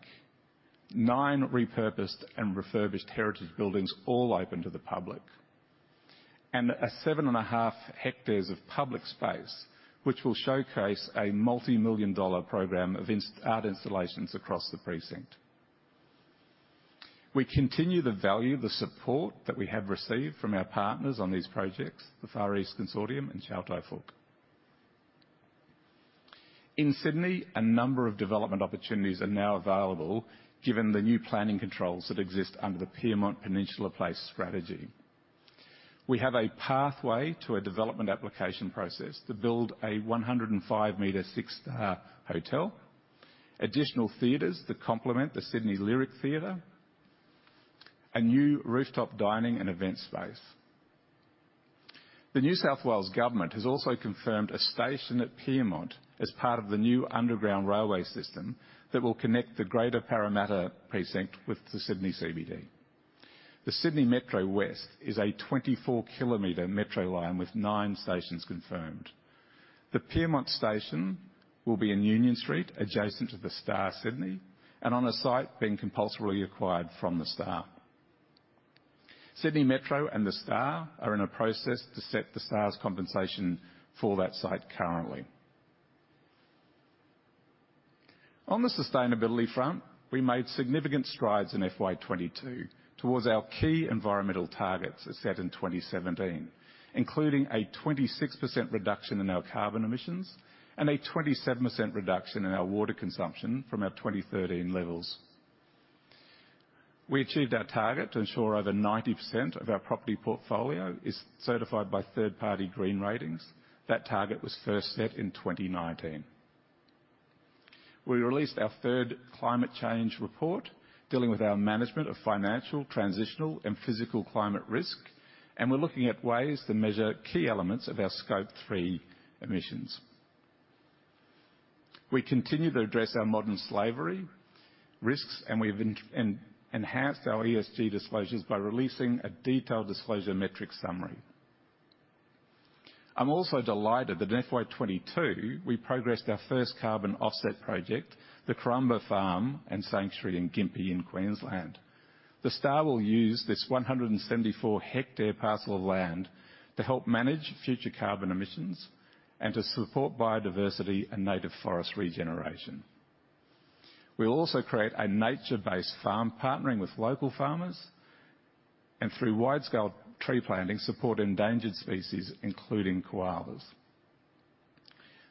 Speaker 2: nine repurposed and refurbished heritage buildings all open to the public, and 7.5 hectares of public space, which will showcase an AUD multi-million program of art installations across the precinct. We continue to value the support that we have received from our partners on these projects, the Far East Consortium and Chow Tai Fook. In Sydney, a number of development opportunities are now available given the new planning controls that exist under the Pyrmont Peninsula Place Strategy. We have a pathway to a development application process to build a 105 meter six-star hotel, additional theaters to complement the Sydney Lyric Theatre, a new rooftop dining and event space. The New South Wales Government has also confirmed a station at Pyrmont as part of the new underground railway system that will connect the greater Parramatta precinct with the Sydney CBD. The Sydney Metro West is a 24 km metro line with nine stations confirmed. The Pyrmont Station will be in Union Street, adjacent to The Star Sydney, and on a site being compulsorily acquired from The Star. Sydney Metro and The Star are in a process to set The Star's compensation for that site currently. On the sustainability front, we made significant strides in FY 2022 towards our key environmental targets as set in 2017, including a 26% reduction in our carbon emissions and a 27% reduction in our water consumption from our 2013 levels. We achieved our target to ensure over 90% of our property portfolio is certified by third-party green ratings. That target was first set in 2019. We released our third climate change report, dealing with our management of financial, transitional, and physical climate risk, and we're looking at ways to measure key elements of our Scope 3 emissions. We continue to address our modern slavery risks, and we've enhanced our ESG disclosures by releasing a detailed disclosure metric summary. I'm also delighted that in FY 2022, we progressed our first carbon offset project, the Corymbia Farm and Sanctuary in Gympie in Queensland. The Star will use this 174 hectare parcel of land to help manage future carbon emissions and to support biodiversity and native forest regeneration. We'll also create a nature-based farm partnering with local farmers, and through widescale tree planting, support endangered species, including koalas.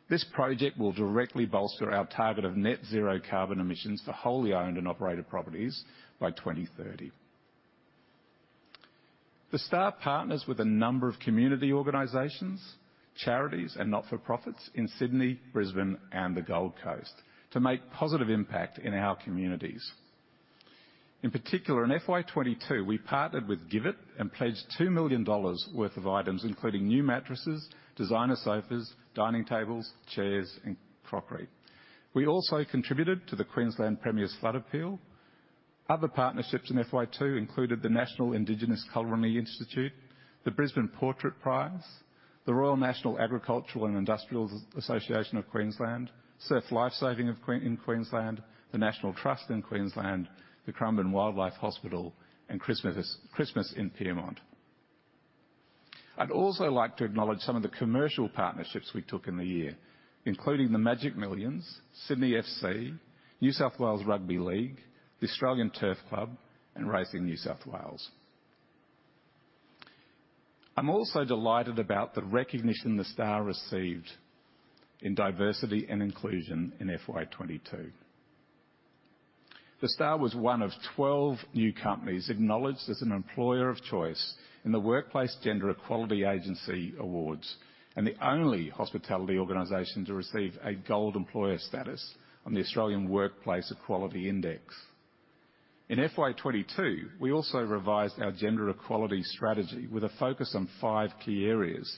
Speaker 2: This project will directly bolster our target of net zero carbon emissions for wholly owned and operated properties by 2030. The Star partners with a number of community organizations, charities, and not-for-profits in Sydney, Brisbane, and the Gold Coast to make positive impact in our communities. In particular, in FY 2022, we partnered with GIVIT and pledged 2 million dollars worth of items, including new mattresses, designer sofas, dining tables, chairs, and crockery. We also contributed to the Queensland Premier's Flood Appeal. Other partnerships in FY 2022 included the National Indigenous Culinary Institute, the Brisbane Portrait Prize, the Royal National Agricultural and Industrial Association of Queensland, Surf Life Saving Queensland, the National Trust in Queensland, the Currumbin Wildlife Hospital, and Christmas in Pyrmont. I'd also like to acknowledge some of the commercial partnerships we took in the year, including the Magic Millions, Sydney FC, New South Wales Rugby League, the Australian Turf Club, and Racing New South Wales. I'm also delighted about the recognition The Star received in diversity and inclusion in FY 2022. The Star was one of 12 new companies acknowledged as an employer of choice in the Workplace Gender Equality Agency Awards, and the only hospitality organization to receive a gold employer status on the Australian Workplace Equality Index. In FY 2022, we also revised our gender equality strategy with a focus on five key areas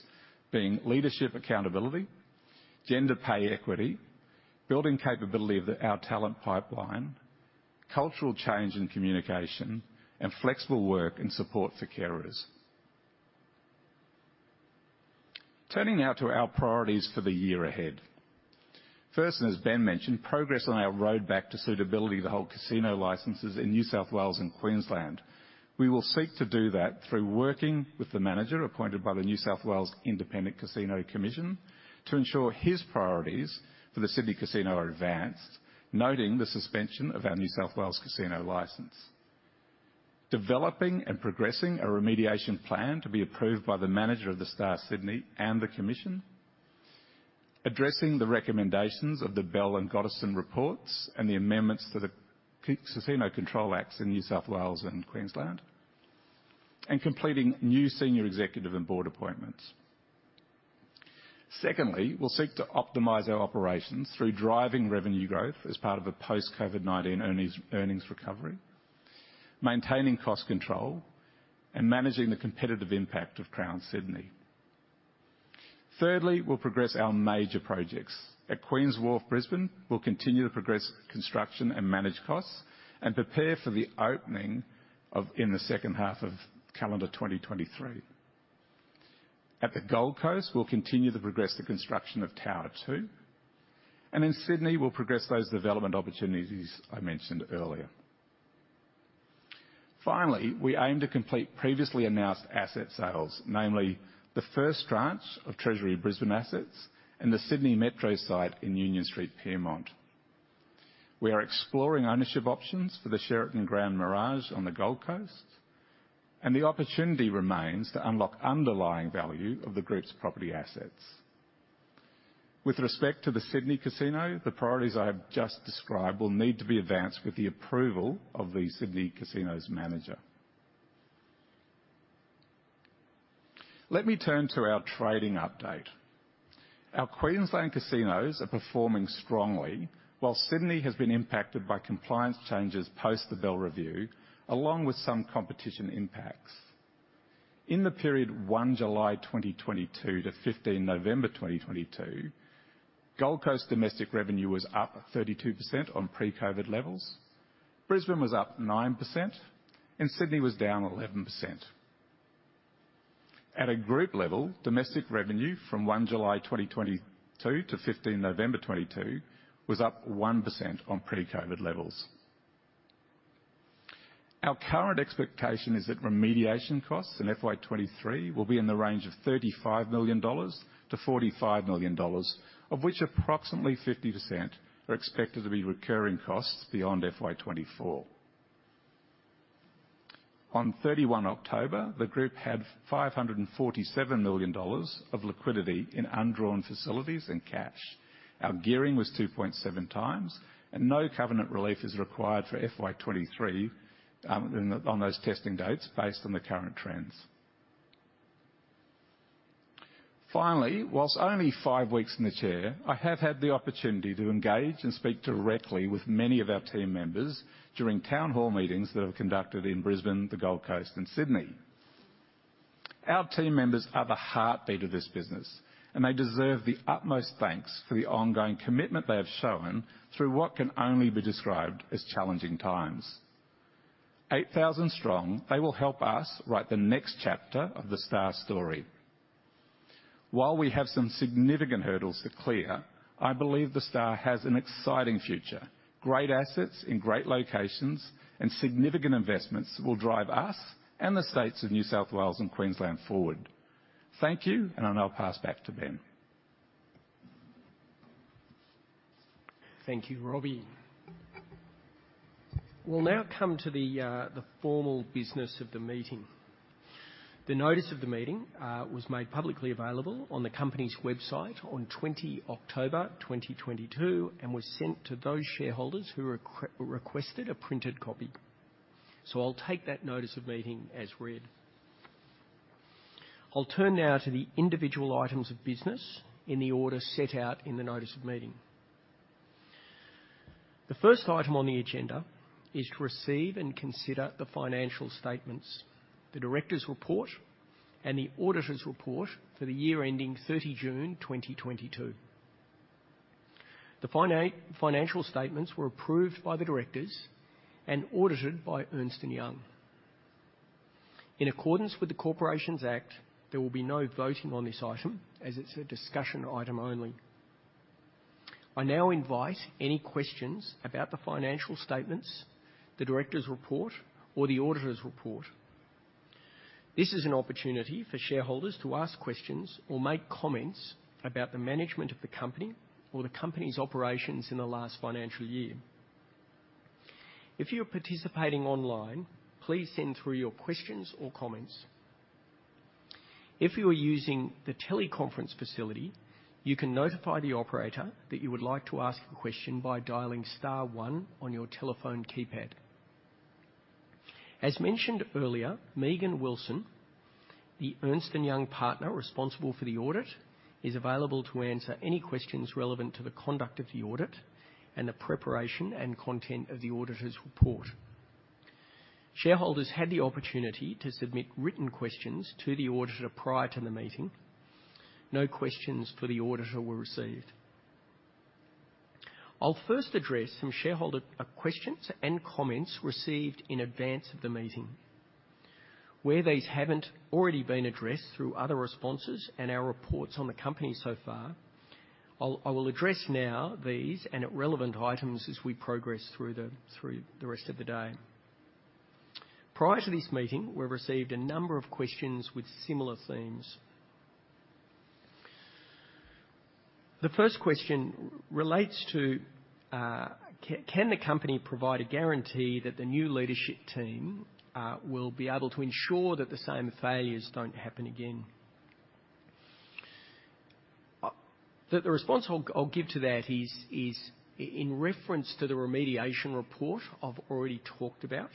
Speaker 2: being leadership accountability, gender pay equity, building capability of our talent pipeline, cultural change in communication, and flexible work and support for careers. Turning now to our priorities for the year ahead. First, as Ben mentioned, progress on our road back to suitability to hold casino licenses in New South Wales and Queensland. We will seek to do that through working with the manager appointed by the New South Wales Independent Casino Commission to ensure his priorities for the Sydney Casino are advanced, noting the suspension of our New South Wales casino license. Developing and progressing a remediation plan to be approved by the manager of The Star Sydney and the commission. Addressing the recommendations of the Bell and Gotterson reports, and the amendments to the Casino Control Acts in New South Wales and Queensland, and completing new senior executive and board appointments. Secondly, we'll seek to optimize our operations through driving revenue growth as part of a post-COVID-19 earnings recovery, maintaining cost control, and managing the competitive impact of Crown Sydney. Thirdly, we'll progress our major projects. At Queen's Wharf Brisbane, we'll continue to progress construction and manage costs and prepare for the opening in the second half of calendar 2023. At the Gold Coast, we'll continue to progress the construction of Tower 2, and in Sydney, we'll progress those development opportunities as I mentioned earlier. Finally, we aim to complete previously announced asset sales, namely the first tranche of Treasury Brisbane assets and the Sydney Metro site in Union Street, Pyrmont. We are exploring ownership options for the Sheraton Grand Mirage on the Gold Coast, the opportunity remains to unlock underlying value of the group's property assets. With respect to the Sydney Casino, the priorities I have just described will need to be advanced with the approval of the Sydney Casino's manager. Let me turn to our trading update. Our Queensland casinos are performing strongly, while Sydney has been impacted by compliance changes post the Bell Review, along with some competition impacts. In the period 1 July 2022 to 15 November 2022, Gold Coast domestic revenue was up 32% on pre-COVID levels, Brisbane was up 9%, Sydney was down 11%. At a group level, domestic revenue from 1 July 2022 to 15 November 2022 was up 1% on pre-COVID levels. Our current expectation is that remediation costs in FY 2023 will be in the range of $35 million-$45 million, of which approximately 50% are expected to be recurring costs beyond FY 2024. On 31 October, the group had $547 million of liquidity in undrawn facilities and cash. Our gearing was 2.7 times. No covenant relief is required for FY 2023 on those testing dates based on the current trends. Finally, whilst only five weeks in the chair, I have had the opportunity to engage and speak directly with many of our team members during town hall meetings that were conducted in Brisbane, the Gold Coast and Sydney. Our team members are the heartbeat of this business, and they deserve the utmost thanks for the ongoing commitment they have shown through what can only be described as challenging times. 8,000 strong, they will help us write the next chapter of The Star story. While we have some significant hurdles to clear, I believe The Star has an exciting future, great assets in great locations and significant investments will drive us and the states of New South Wales and Queensland forward. Thank you, and I'll now pass back to Ben.
Speaker 1: Thank you, Robbie. We'll now come to the formal business of the meeting. The notice of the meeting was made publicly available on the company's website on 20 October 2022 and was sent to those shareholders who requested a printed copy. I'll take that notice of meeting as read. I'll turn now to the individual items of business in the order set out in the notice of meeting. The first item on the agenda is to receive and consider the financial statements, the directors' report, and the auditors' report for the year ending 30 June 2022. The financial statements were approved by the directors and audited by Ernst & Young. In accordance with the Corporations Act, there will be no voting on this item as it's a discussion item only. I now invite any questions about the financial statements, the directors' report or the auditors' report. This is an opportunity for shareholders to ask questions or make comments about the management of the company or the company's operations in the last financial year. If you're participating online, please send through your questions or comments. If you are using the teleconference facility, you can notify the operator that you would like to ask a question by dialing star one on your telephone keypad. As mentioned earlier, Megan Wilson, the Ernst & Young partner responsible for the audit, is available to answer any questions relevant to the conduct of the audit and the preparation and content of the auditors' report. Shareholders had the opportunity to submit written questions to the auditor prior to the meeting. No questions for the auditor were received. I'll first address some shareholder questions and comments received in advance of the meeting. Where these haven't already been addressed through other responses and our reports on the company so far, I will address now these and at relevant items as we progress through the rest of the day. Prior to this meeting, we received a number of questions with similar themes. The first question relates to, can the company provide a guarantee that the new leadership team will be able to ensure that the same failures don't happen again? The response I will give to that is in reference to the remediation report I've already talked about.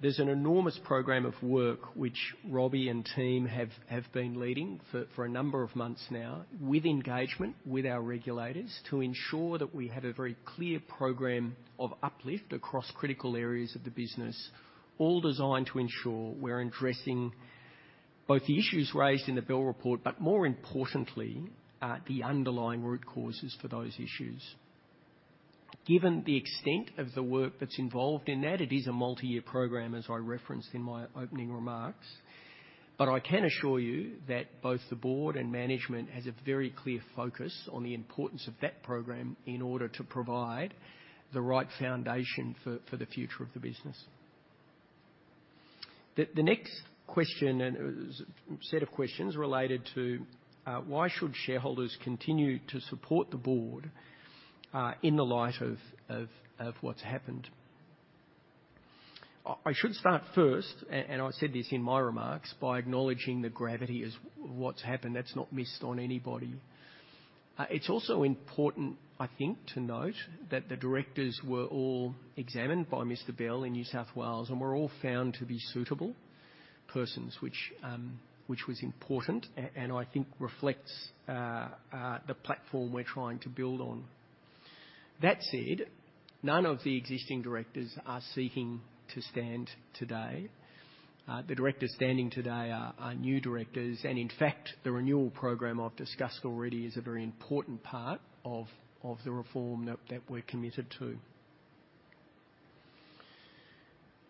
Speaker 1: There's an enormous program of work which Robbie and team have been leading for a number of months now, with engagement with our regulators to ensure that we have a very clear program of uplift across critical areas of the business, all designed to ensure we're addressing both the issues raised in the Bell Review, but more importantly, the underlying root causes for those issues. Given the extent of the work that's involved in that, it is a multi-year program, as I referenced in my opening remarks, but I can assure you that both the board and management has a very clear focus on the importance of that program in order to provide the right foundation for the future of the business. The next question and set of questions related to why should shareholders continue to support the board in the light of what's happened? I should start first, and I said this in my remarks, by acknowledging the gravity as what's happened. That's not missed on anybody. It's also important, I think, to note that the directors were all examined by Mr. Bell in New South Wales and were all found to be suitable persons, which was important and I think reflects the platform we're trying to build on. That said, none of the existing directors are seeking to stand today. The directors standing today are new directors, and in fact, the renewal program I've discussed already is a very important part of the reform that we're committed to.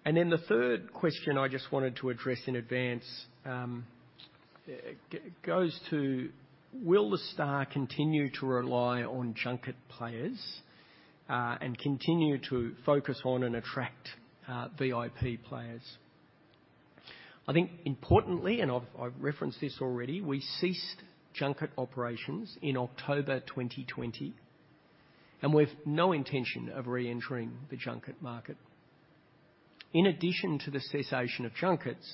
Speaker 1: The third question I just wanted to address in advance, will The Star continue to rely on junket players and continue to focus on and attract VIP players? I think importantly, and I've referenced this already, we ceased junket operations in October 2020. We have no intention of re-entering the junket market. In addition to the cessation of junkets,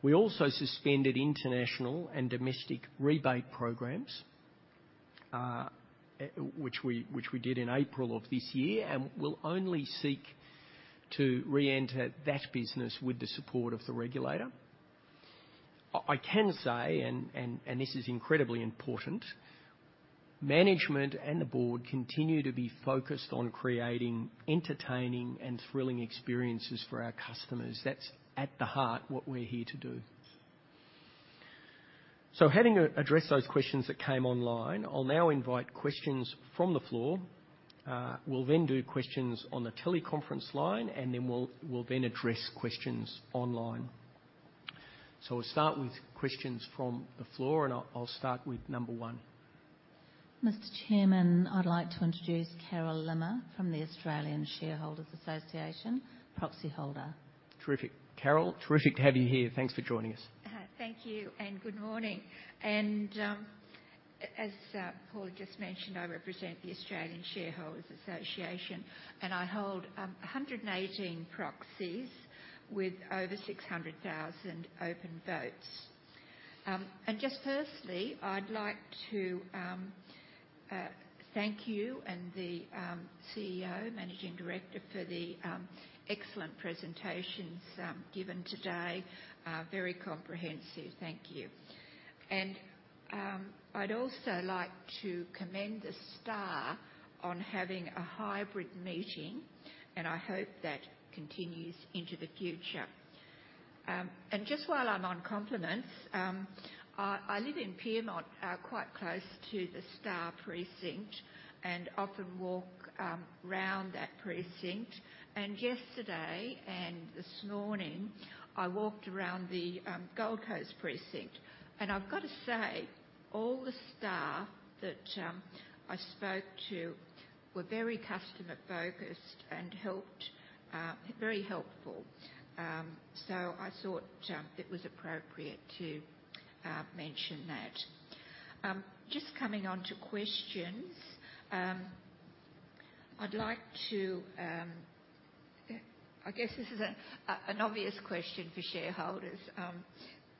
Speaker 1: we also suspended international and domestic rebate programs, which we did in April of this year, and we'll only seek to re-enter that business with the support of the regulator. I can say, and this is incredibly important, management and the board continue to be focused on creating entertaining and thrilling experiences for our customers. That's at the heart what we're here to do. Having addressed those questions that came online, I'll now invite questions from the floor. We'll then do questions on the teleconference line, and then we'll then address questions online. We'll start with questions from the floor, and I'll start with number one.
Speaker 3: Mr. Chairman, I'd like to introduce Carol Limmer from the Australian Shareholders' Association, proxy holder.
Speaker 1: Terrific. Carol, terrific to have you here. Thanks for joining us.
Speaker 3: Thank you, good morning. As Paul just mentioned, I represent the Australian Shareholders' Association, and I hold 118 proxies with over 600,000 open votes. Just firstly, I'd like to thank you and the CEO, Managing Director, for the excellent presentations given today. Very comprehensive. Thank you. I'd also like to commend The Star on having a hybrid meeting, and I hope that continues into the future. Just while I'm on compliments, I live in Pyrmont, quite close to The Star precinct, and often walk round that precinct. Yesterday and this morning, I walked around the Gold Coast precinct. I've gotta say, all the staff that I spoke to were very customer-focused and very helpful. I thought it was appropriate to mention that. Coming onto questions, I guess this is an obvious question for shareholders.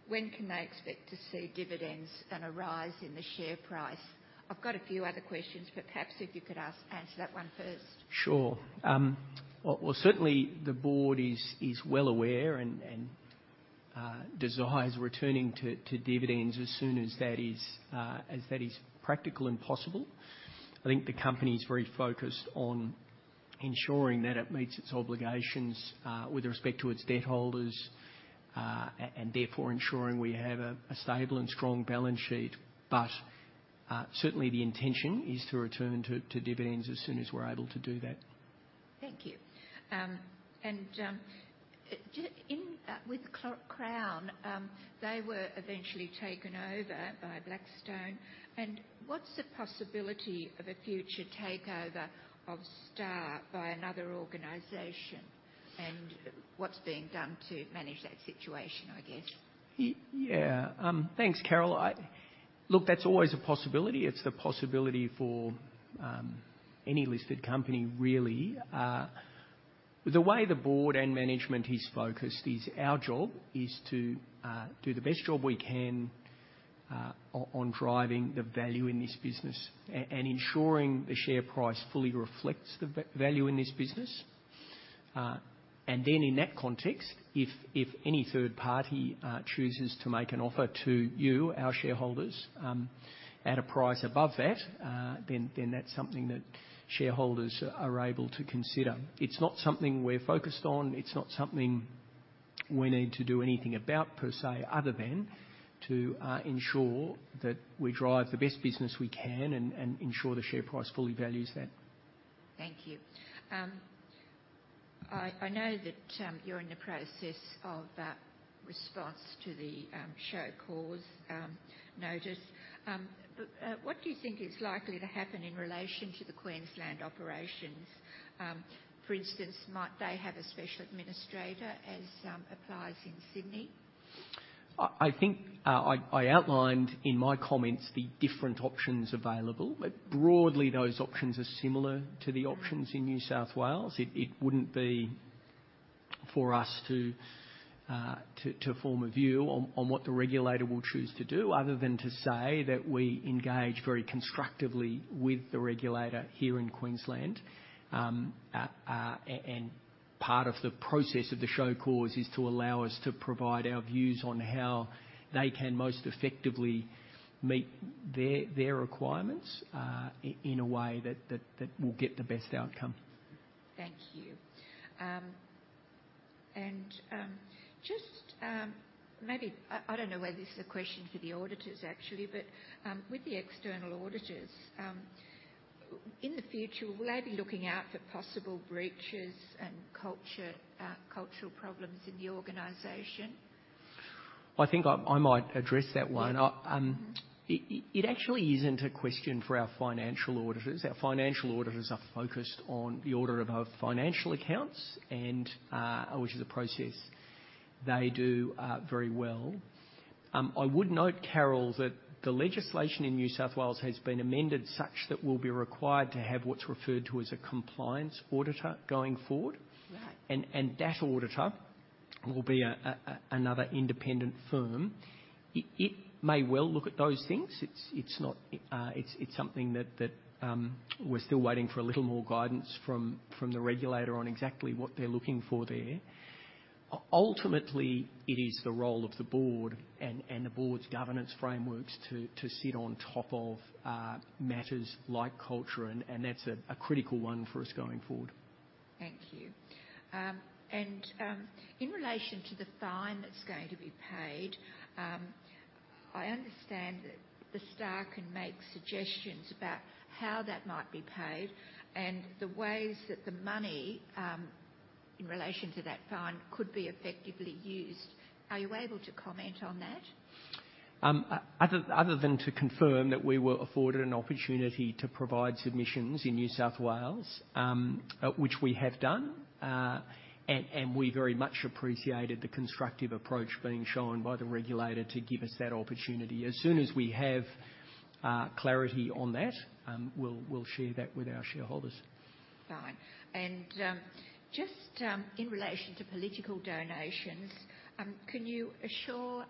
Speaker 3: When can they expect to see dividends and a rise in the share price? I've got a few other questions, perhaps if you could answer that one first.
Speaker 1: Sure. Well, certainly the board is well aware and desires returning to dividends as soon as that is practical and possible. I think the company's very focused on ensuring that it meets its obligations with respect to its debt holders and therefore ensuring we have a stable and strong balance sheet. Certainly the intention is to return to dividends as soon as we're able to do that.
Speaker 3: Thank you. With Crown, they were eventually taken over by Blackstone, what's the possibility of a future takeover of The Star by another organization? What's being done to manage that situation, I guess?
Speaker 1: Yeah. Thanks, Carol. Look, that's always a possibility. It's a possibility for any listed company, really. The way the board and management is focused is our job is to do the best job we can on driving the value in this business and ensuring the share price fully reflects the value in this business. In that context, if any third party chooses to make an offer to you, our shareholders, at a price above that, then that's something that shareholders are able to consider. It's not something we're focused on. It's not something we need to do anything about per se, other than to ensure that we drive the best business we can and ensure the share price fully values that.
Speaker 3: Thank you. I know that you're in the process of a response to the show cause notice. What do you think is likely to happen in relation to the Queensland operations? For instance, might they have a special administrator as applies in Sydney?
Speaker 1: I think I outlined in my comments the different options available, but broadly, those options are similar to the options in New South Wales. It wouldn't be for us to form a view on what the regulator will choose to do other than to say that we engage very constructively with the regulator here in Queensland. Part of the process of the show cause is to allow us to provide our views on how they can most effectively meet their requirements in a way that will get the best outcome.
Speaker 3: Thank you. Just maybe, I don't know whether this is a question for the auditors actually, but with the external auditors, in the future, will they be looking out for possible breaches and culture, cultural problems in the organization?
Speaker 1: I think I might address that one.
Speaker 3: Yeah. Mm-hmm.
Speaker 1: It actually isn't a question for our financial auditors. Our financial auditors are focused on the audit of our financial accounts and which is a process they do very well. I would note, Carol, that the legislation in New South Wales has been amended such that we'll be required to have what's referred to as a compliance auditor going forward.
Speaker 3: Right.
Speaker 1: That auditor will be another independent firm. It may well look at those things. It's not, it's something that we're still waiting for a little more guidance from the regulator on exactly what they're looking for there. Ultimately, it is the role of the board and the board's governance frameworks to sit on top of matters like culture and that's a critical one for us going forward.
Speaker 3: Thank you. In relation to the fine that's going to be paid, I understand that The Star can make suggestions about how that might be paid and the ways that the money, in relation to that fine could be effectively used. Are you able to comment on that?
Speaker 1: Other than to confirm that we were afforded an opportunity to provide submissions in New South Wales, which we have done. We very much appreciated the constructive approach being shown by the regulator to give us that opportunity. As soon as we have clarity on that, we'll share that with our shareholders.
Speaker 3: Fine. Just, in relation to political donations, can you assure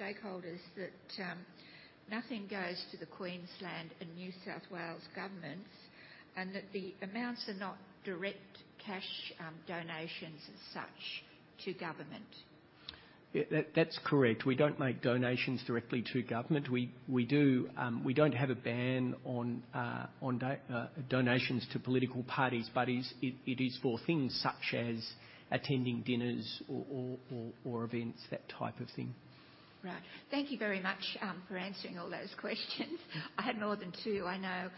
Speaker 3: stakeholders that nothing goes to the Queensland and New South Wales governments, and that the amounts are not direct cash, donations as such to government?
Speaker 1: Yeah, that's correct. We don't make donations directly to government. We do. We don't have a ban on donations to political parties, but it is for things such as attending dinners or events, that type of thing.
Speaker 3: Right. Thank you very much for answering all those questions. I had more than two, I know.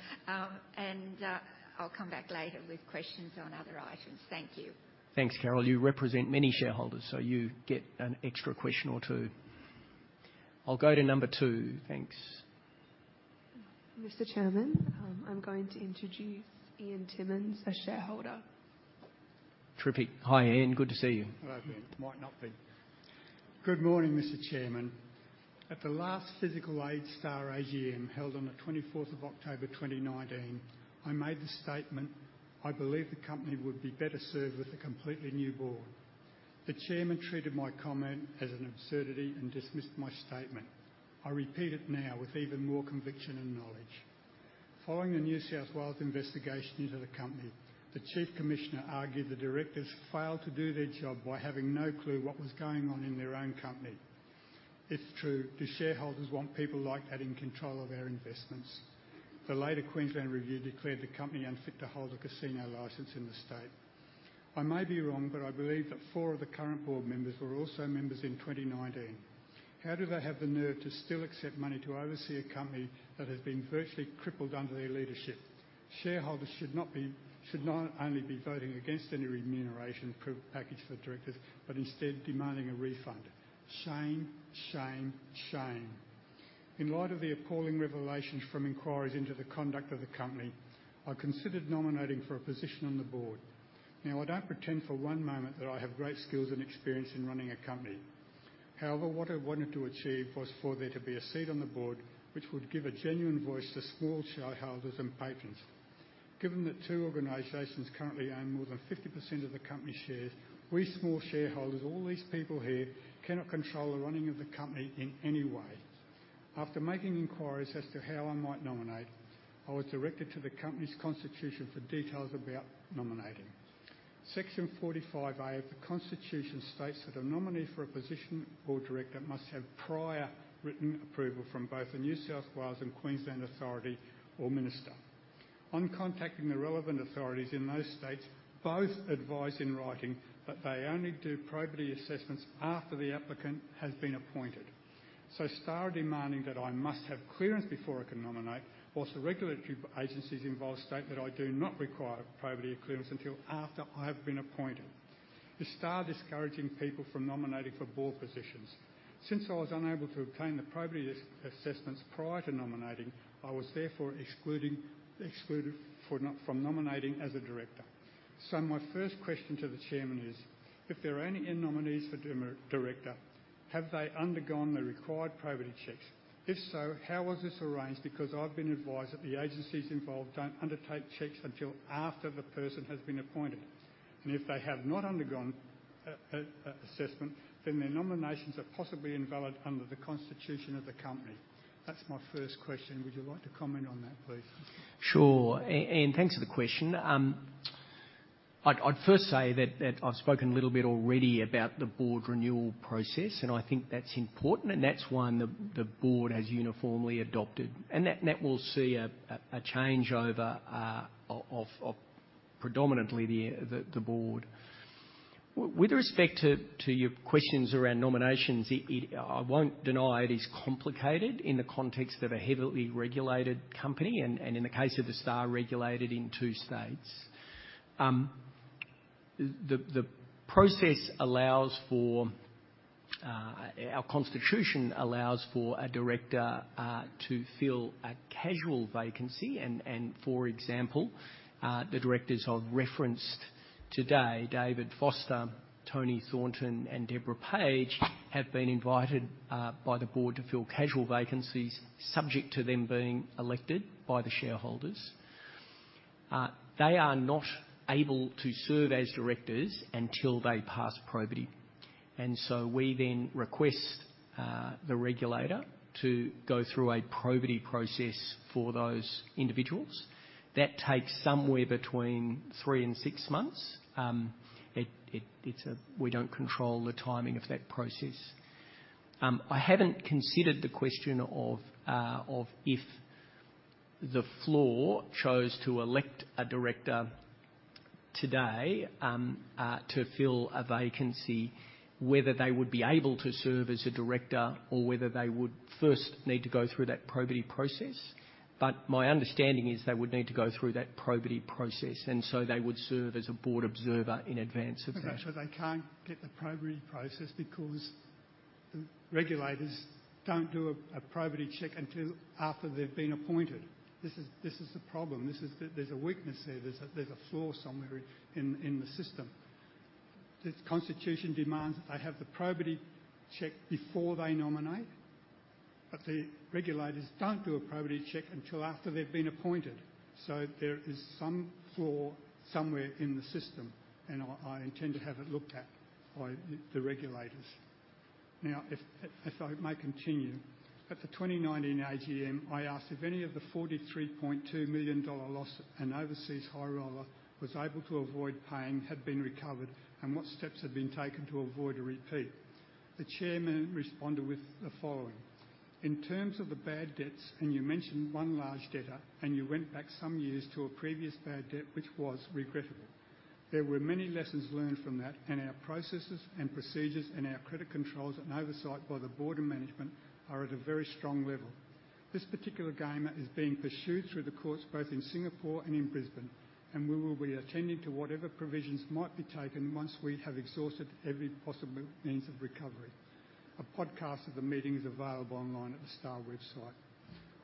Speaker 3: I'll come back later with questions on other items. Thank you.
Speaker 1: Thanks, Carol. You represent many shareholders, so you get an extra question or two. I'll go to number two. Thanks.
Speaker 4: Mr. Chairman, I'm going to introduce Ian Timmins, a shareholder.
Speaker 1: Terrific. Hi, Ian. Good to see you.
Speaker 5: Hello, Ben. Might not be. Good morning, Mr. Chairman. At the last physical The Star AGM held on the 24th of October 2019, I made the statement, "I believe the company would be better served with a completely new board." The chairman treated my comment as an absurdity and dismissed my statement. I repeat it now with even more conviction and knowledge. Following the New South Wales investigation into the company, the chief commissioner argued the directors failed to do their job by having no clue what was going on in their own company. If true, do shareholders want people like that in control of their investments? The later Queensland review declared the company unfit to hold a casino license in the state. I may be wrong, I believe that four of the current board members were also members in 2019. How do they have the nerve to still accept money to oversee a company that has been virtually crippled under their leadership? Shareholders should not only be voting against any remuneration package for directors, but instead demanding a refund. Shame, shame, shame. In light of the appalling revelations from inquiries into the conduct of the company, I considered nominating for a position on the board. I don't pretend for one moment that I have great skills and experience in running a company. What I wanted to achieve was for there to be a seat on the board which would give a genuine voice to small shareholders and patrons. Given that two organizations currently own more than 50% of the company's shares, we small shareholders, all these people here, cannot control the running of the company in any way. After making inquiries as to how I might nominate, I was directed to the company's constitution for details about nominating. Section 45A of the Constitution states that a nominee for a position or director must have prior written approval from both the New South Wales and Queensland authority or minister. On contacting the relevant authorities in those states, both advised in writing that they only do probity assessments after the applicant has been appointed. Star are demanding that I must have clearance before I can nominate, whilst the regulatory agencies involved state that I do not require probity or clearance until after I have been appointed. Is Star discouraging people from nominating for board positions? Since I was unable to obtain the probity assessments prior to nominating, I was therefore excluded from nominating as a director. My first question to the chairman is, if there are any nominees for director, have they undergone the required probity checks? If so, how was this arranged? Because I've been advised that the agencies involved don't undertake checks until after the person has been appointed. If they have not undergone a assessment, then their nominations are possibly invalid under the constitution of the company. That's my first question. Would you like to comment on that, please?
Speaker 1: Sure. Thanks for the question. I'd first say that I've spoken a little bit already about the board renewal process, and I think that's important, and that's one the board has uniformly adopted. That will see a changeover of predominantly the board. With respect to your questions around nominations, it I won't deny it is complicated in the context of a heavily regulated company, and in the case of The Star, regulated in two states. The process allows for our constitution allows for a director to fill a casual vacancy. And for example, the directors I've referenced today, David Foster, Toni Thornton, and Deborah Page, have been invited by the board to fill casual vacancies, subject to them being elected by the shareholders. They are not able to serve as directors until they pass probity. We then request the regulator to go through a probity process for those individuals. That takes somewhere between three and six months. We don't control the timing of that process. I haven't considered the question of if the floor chose to elect a director today to fill a vacancy, whether they would be able to serve as a director or whether they would first need to go through that probity process. My understanding is they would need to go through that probity process, and so they would serve as a board observer in advance of that.
Speaker 5: They can't get the probity process because the regulators don't do a probity check until after they've been appointed. This is the problem. There's a weakness there. There's a flaw somewhere in the system. This constitution demands that they have the probity check before they nominate, but the regulators don't do a probity check until after they've been appointed. There is some flaw somewhere in the system, and I intend to have it looked at by the regulators. If I may continue. At the 2019 AGM, I asked if any of the 43.2 million dollar loss an overseas high roller was able to avoid paying had been recovered, and what steps had been taken to avoid a repeat. The chairman responded with the following, "In terms of the bad debts, and you mentioned one large debtor, and you went back some years to a previous bad debt, which was regrettable. There were many lessons learned from that, and our processes and procedures and our credit controls and oversight by the board and management are at a very strong level. This particular gamer is being pursued through the courts, both in Singapore and in Brisbane, and we will be attending to whatever provisions might be taken once we have exhausted every possible means of recovery." A podcast of the meeting is available online at The Star website.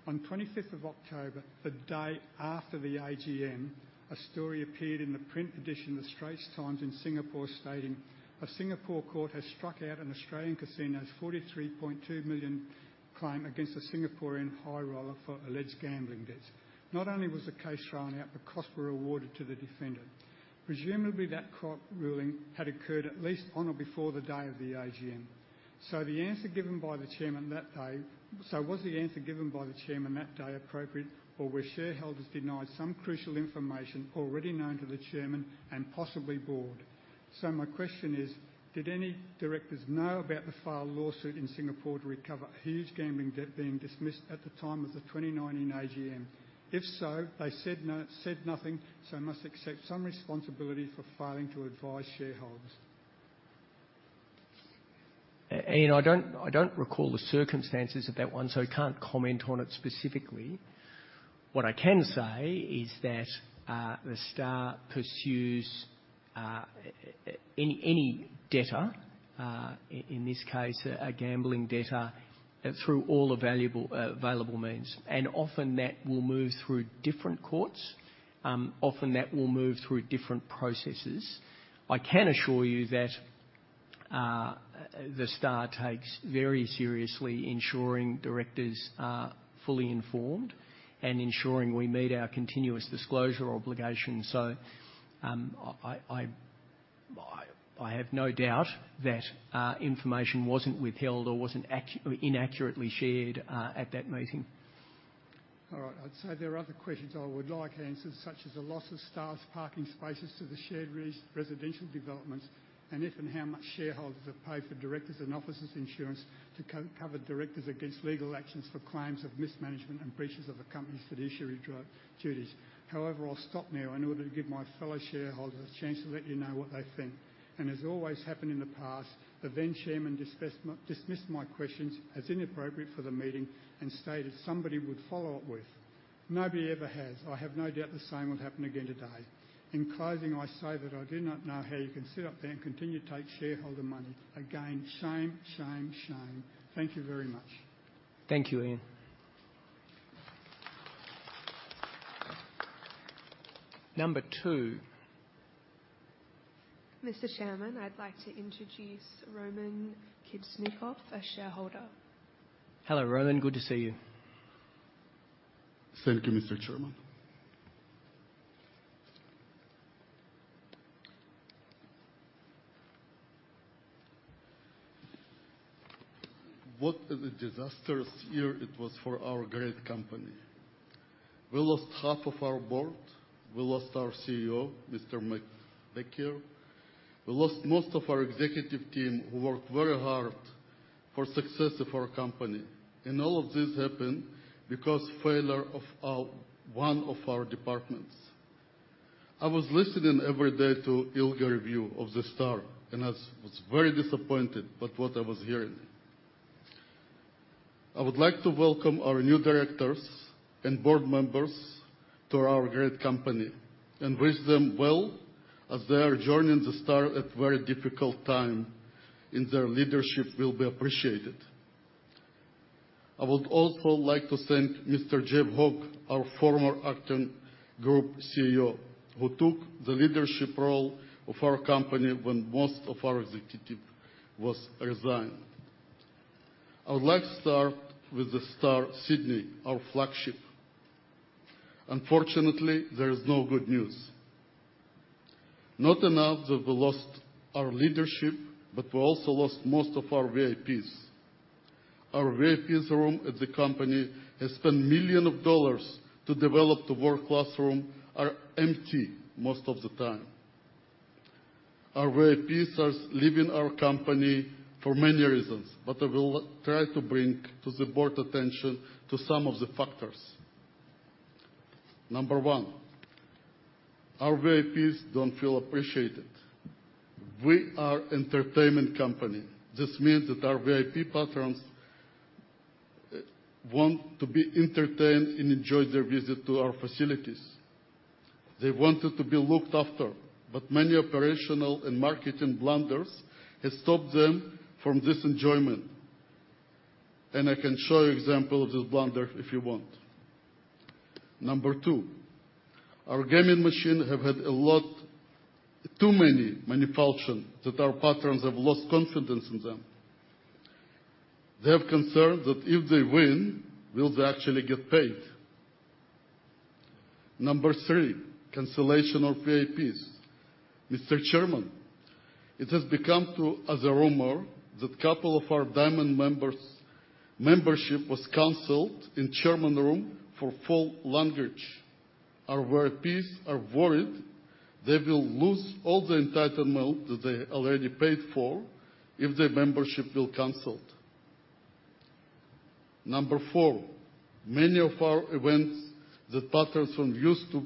Speaker 5: On 25th of October, the day after the AGM, a story appeared in the print edition of The Straits Times in Singapore stating, "A Singapore court has struck out an Australian casino's 43.2 million claim against a Singaporean high roller for alleged gambling debts." Not only was the case thrown out, but costs were awarded to the defendant. Presumably, that court ruling had occurred at least on or before the day of the AGM. Was the answer given by the Chairman that day appropriate, or were shareholders denied some crucial information already known to the Chairman and possibly Board? My question is, did any Directors know about the filed lawsuit in Singapore to recover a huge gambling debt being dismissed at the time of the 2019 AGM? If so, they said no... Said nothing, must accept some responsibility for failing to advise shareholders.
Speaker 1: Ian, I don't recall the circumstances of that one, so I can't comment on it specifically. What I can say is that The Star pursues any debtor in this case, a gambling debtor, through all available means. Often that will move through different courts. Often that will move through different processes. I can assure you that The Star takes very seriously ensuring directors are fully informed and ensuring we meet our continuous disclosure obligations. I have no doubt that information wasn't withheld or inaccurately shared at that meeting.
Speaker 5: All right. I'd say there are other questions I would like answered, such as the loss of staff's parking spaces to the shared residential developments and if and how much shareholders have paid for directors and officers insurance to cover directors against legal actions for claims of mismanagement and breaches of the company's fiduciary duties. However, I'll stop now in order to give my fellow shareholders a chance to let you know what they think. As always happened in the past, the then chairman dismissed my questions as inappropriate for the meeting and stated somebody would follow up with. Nobody ever has. I have no doubt the same will happen again today. In closing, I say that I do not know how you can sit up there and continue to take shareholder money. Again, shame, shame. Thank you very much.
Speaker 1: Thank you, Ian. Number two.
Speaker 4: Mr. Chairman, I'd like to introduce Roman Khavsnikov, as shareholder.
Speaker 1: Hello, Roman. Good to see you.
Speaker 6: Thank you, Mr. Chairman. What a disastrous year it was for our great company. We lost half of our board. We lost our CEO, Mr. Bekier. We lost most of our executive team, who worked very hard for success of our company. All of this happened because failure of one of our departments. I was listening every day to ILGA view of The Star, and I was very disappointed about what I was hearing. I would like to welcome our new directors and board members to our great company, and wish them well as they are joining The Star at very difficult time, and their leadership will be appreciated. I would also like to thank Mr. Geoff Hogg, our former Acting Group CEO, who took the leadership role of our company when most of our executive was resigned. I would like to start with The Star Sydney, our flagship. Unfortunately, there is no good news. Not enough that we lost our leadership, we also lost most of our VIPs. Our VIPs room at the company has spent millions of dollars to develop the world-class room are empty most of the time. Our VIPs are leaving our company for many reasons, I will try to bring to the board attention to some of the factors. Number one, our VIPs don't feel appreciated. We are entertainment company. This means that our VIP patrons want to be entertained and enjoy their visit to our facilities. They wanted to be looked after, many operational and marketing blunders has stopped them from this enjoyment. I can show you example of this blunder if you want. Number two, our gaming machine have had a lot... Too many malfunction that our patrons have lost confidence in them. They have concern that if they win, will they actually get paid? Number three, cancellation of VIPs. Mr. Chairman, it has become as a rumor that couple of our diamond members' membership was canceled in Chairman Room for foul language. Our VIPs are worried they will lose all the entitlement that they already paid for if their membership will canceled. Number four, many of our events that patrons are used to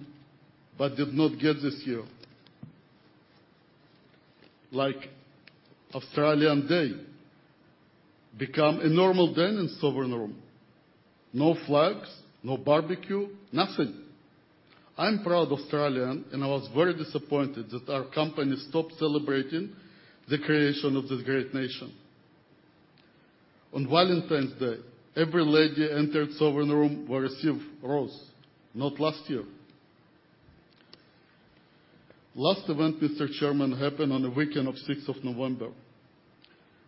Speaker 6: but did not get this year, like Australia Day, become a normal day in Sovereign Room. No flags, no barbecue, nothing. I'm proud Australian, and I was very disappointed that our company stopped celebrating the creation of this great nation. On Valentine's Day, every lady entered Sovereign Room will receive rose. Not last year. Last event, Mr. Chairman, happened on the weekend of 6th of November,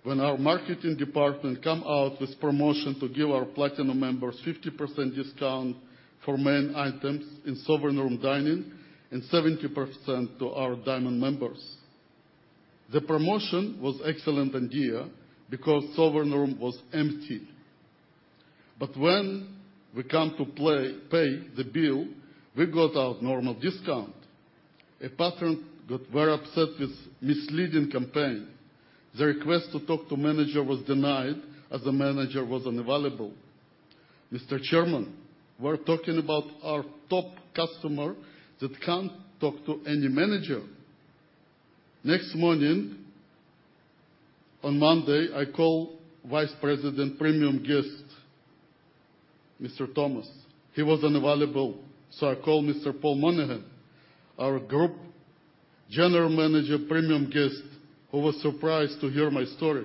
Speaker 6: when our marketing department come out with promotion to give our platinum members 50% discount for main items in Sovereign Room dining and 70% to our diamond members. The promotion was excellent idea because Sovereign Room was empty. When we come to pay the bill, we got our normal discount. A patron got very upset with misleading campaign. The request to talk to manager was denied as the manager was unavailable. Mr. Chairman, we're talking about our top customer that can't talk to any manager. Next morning, on Monday, I call Vice President Premium Guest, Mr. Thomas. He was unavailable. I called Mr. Paul Monaghan, our Group General Manager, Premium Guest, who was surprised to hear my story.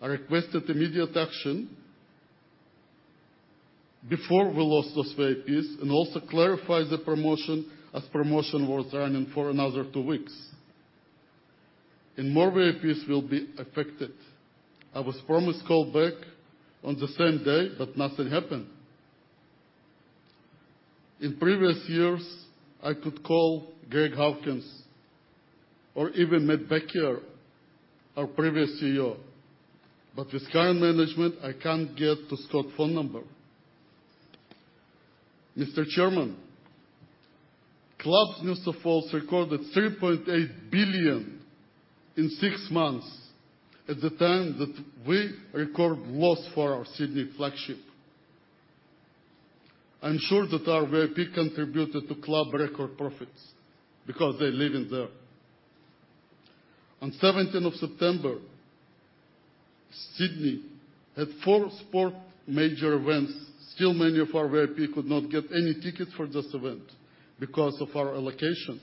Speaker 6: I requested immediate action before we lost those VIPs, and also clarify the promotion, as promotion was running for another two weeks, and more VIPs will be affected. I was promised call back on the same day, but nothing happened. In previous years, I could call Greg Hawkins or even Matt Bekier, our previous CEO. With current management, I can't get to Scott phone number. Mr. Chairman, Club New South Wales recorded 3.8 billion in six months at the time that we record loss for our Sydney flagship. I'm sure that our VIP contributed to club record profits because they're living there. On 17th of September, Sydney had four sport major events. Many of our VIP could not get any tickets for this event because of our allocations.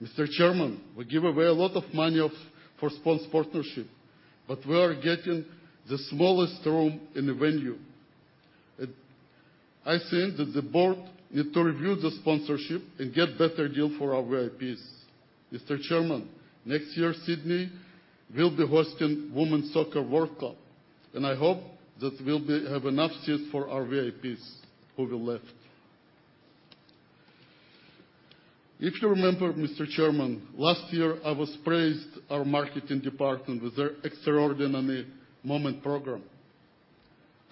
Speaker 6: Mr. Chairman, we give away a lot of money for sports partnership, but we are getting the smallest room in the venue. I think that the board need to review the sponsorship and get better deal for our VIPs. Mr. Chairman, next year Sydney will be hosting Women's Soccer World Cup, I hope that we'll be... have enough seats for our VIPs who were left. If you remember, Mr. Chairman, last year, I was praised our marketing department with their Extraordinary Moment Program.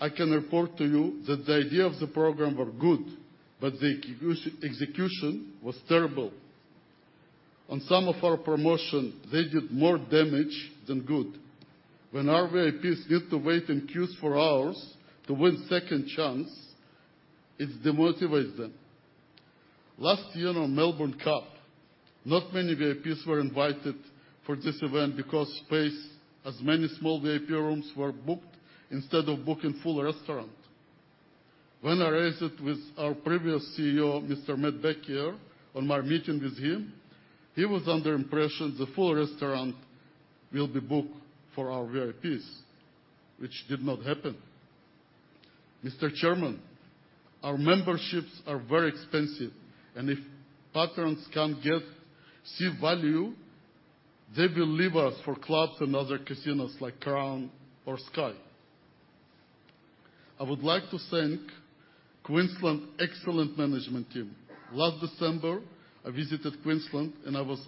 Speaker 6: I can report to you that the idea of the program were good, but the execution was terrible. On some of our promotion, they did more damage than good. When our VIPs need to wait in queues for hours to win second chance, it demotivates them. Last year on Melbourne Cup, not many VIPs were invited for this event because space as many small VIP rooms were booked instead of booking full restaurant. When I raised it with our previous CEO, Mr. Matt Bekier, on my meeting with him, he was under impression the full restaurant will be booked for our VIPs, which did not happen. Mr. Chairman, our memberships are very expensive, and if patrons can't get, see value, they will leave us for clubs and other casinos like Crown or Sky. I would like to thank Queensland excellent management team. Last December, I visited Queensland, and I was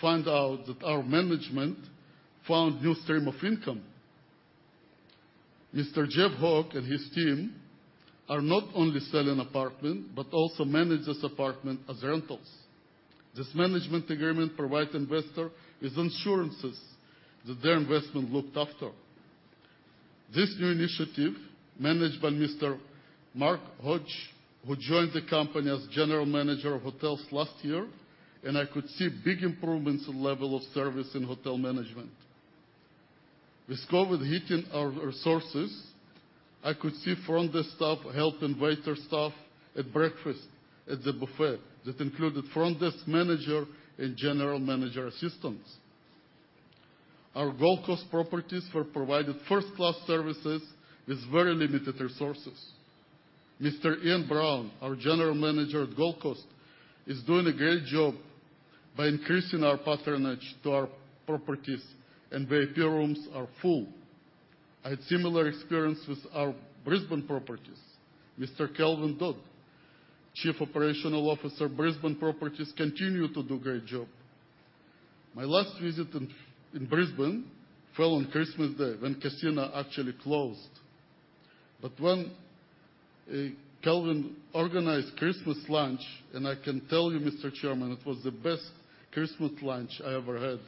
Speaker 6: find out that our management found new stream of income. Mr. Geoff Hogg and his team are not only selling apartment, but also manage this apartment as rentals. This management agreement provide investor is insurances that their investment looked after. This new initiative, managed by Mr. Mark Hodge, who joined the company as General Manager of Hotels last year, and I could see big improvements in level of service in hotel management. With COVID hitting our resources, I could see front desk staff helping waiter staff at breakfast at the buffet. That included front desk manager and general manager assistants. Our Gold Coast properties were provided first-class services with very limited resources. Mr. Ian Brown, our General Manager at Gold Coast, is doing a great job by increasing our patronage to our properties and VIP rooms are full. I had similar experience with our Brisbane properties. Mr. Kelvin Dodt, Chief Operating Officer, Brisbane properties, continue to do great job. My last visit in Brisbane fell on Christmas Day, when casino actually closed. When Kelvin organized Christmas lunch, and I can tell you, Mr. Chairman, it was the best Christmas lunch I ever had.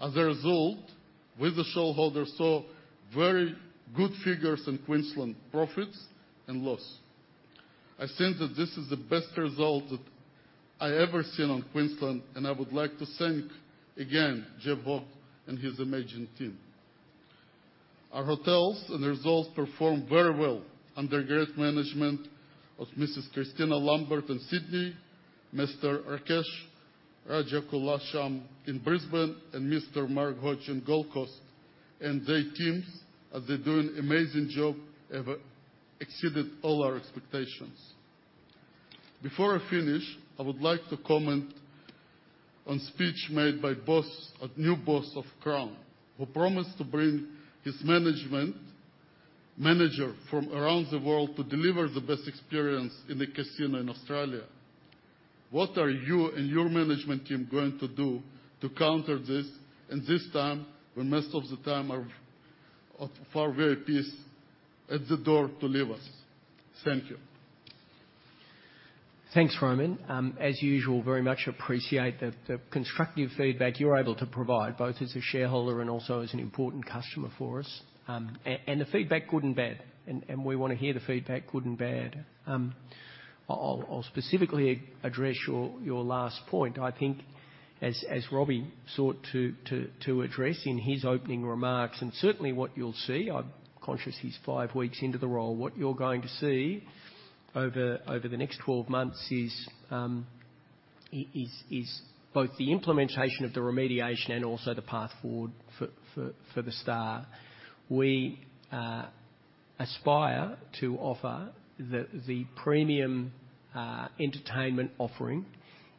Speaker 6: As a result, we the shareholder saw very good figures in Queensland profits and loss. I think that this is the best result that I ever seen on Queensland, and I would like to thank again Geoff Hogg and his amazing team. Our hotels and resorts performed very well under great management of Mrs. Christina Lambert in Sydney, Mr. Rakesh Rajakula Sham in Brisbane, and Mr. Mark Hodge in Gold Coast, and their teams, as they're doing amazing job, have exceeded all our expectations. Before I finish, I would like to comment on speech made by boss, a new boss of Crown, who promised to bring his manager from around the world to deliver the best experience in a casino in Australia. What are you and your management team going to do to counter this and this time, when most of the time our far VIPs at the door to leave us? Thank you.
Speaker 1: Thanks, Roman. As usual, very much appreciate the constructive feedback you're able to provide, both as a shareholder and also as an important customer for us. The feedback good and bad, and we wanna hear the feedback good and bad. I'll specifically address your last point. I think as Robbie sought to address in his opening remarks, and certainly what you'll see, I'm conscious he's five weeks into the role. What you're going to see over the next 12 months is both the implementation of the remediation and also the path forward for The Star. We aspire to offer the premium entertainment offering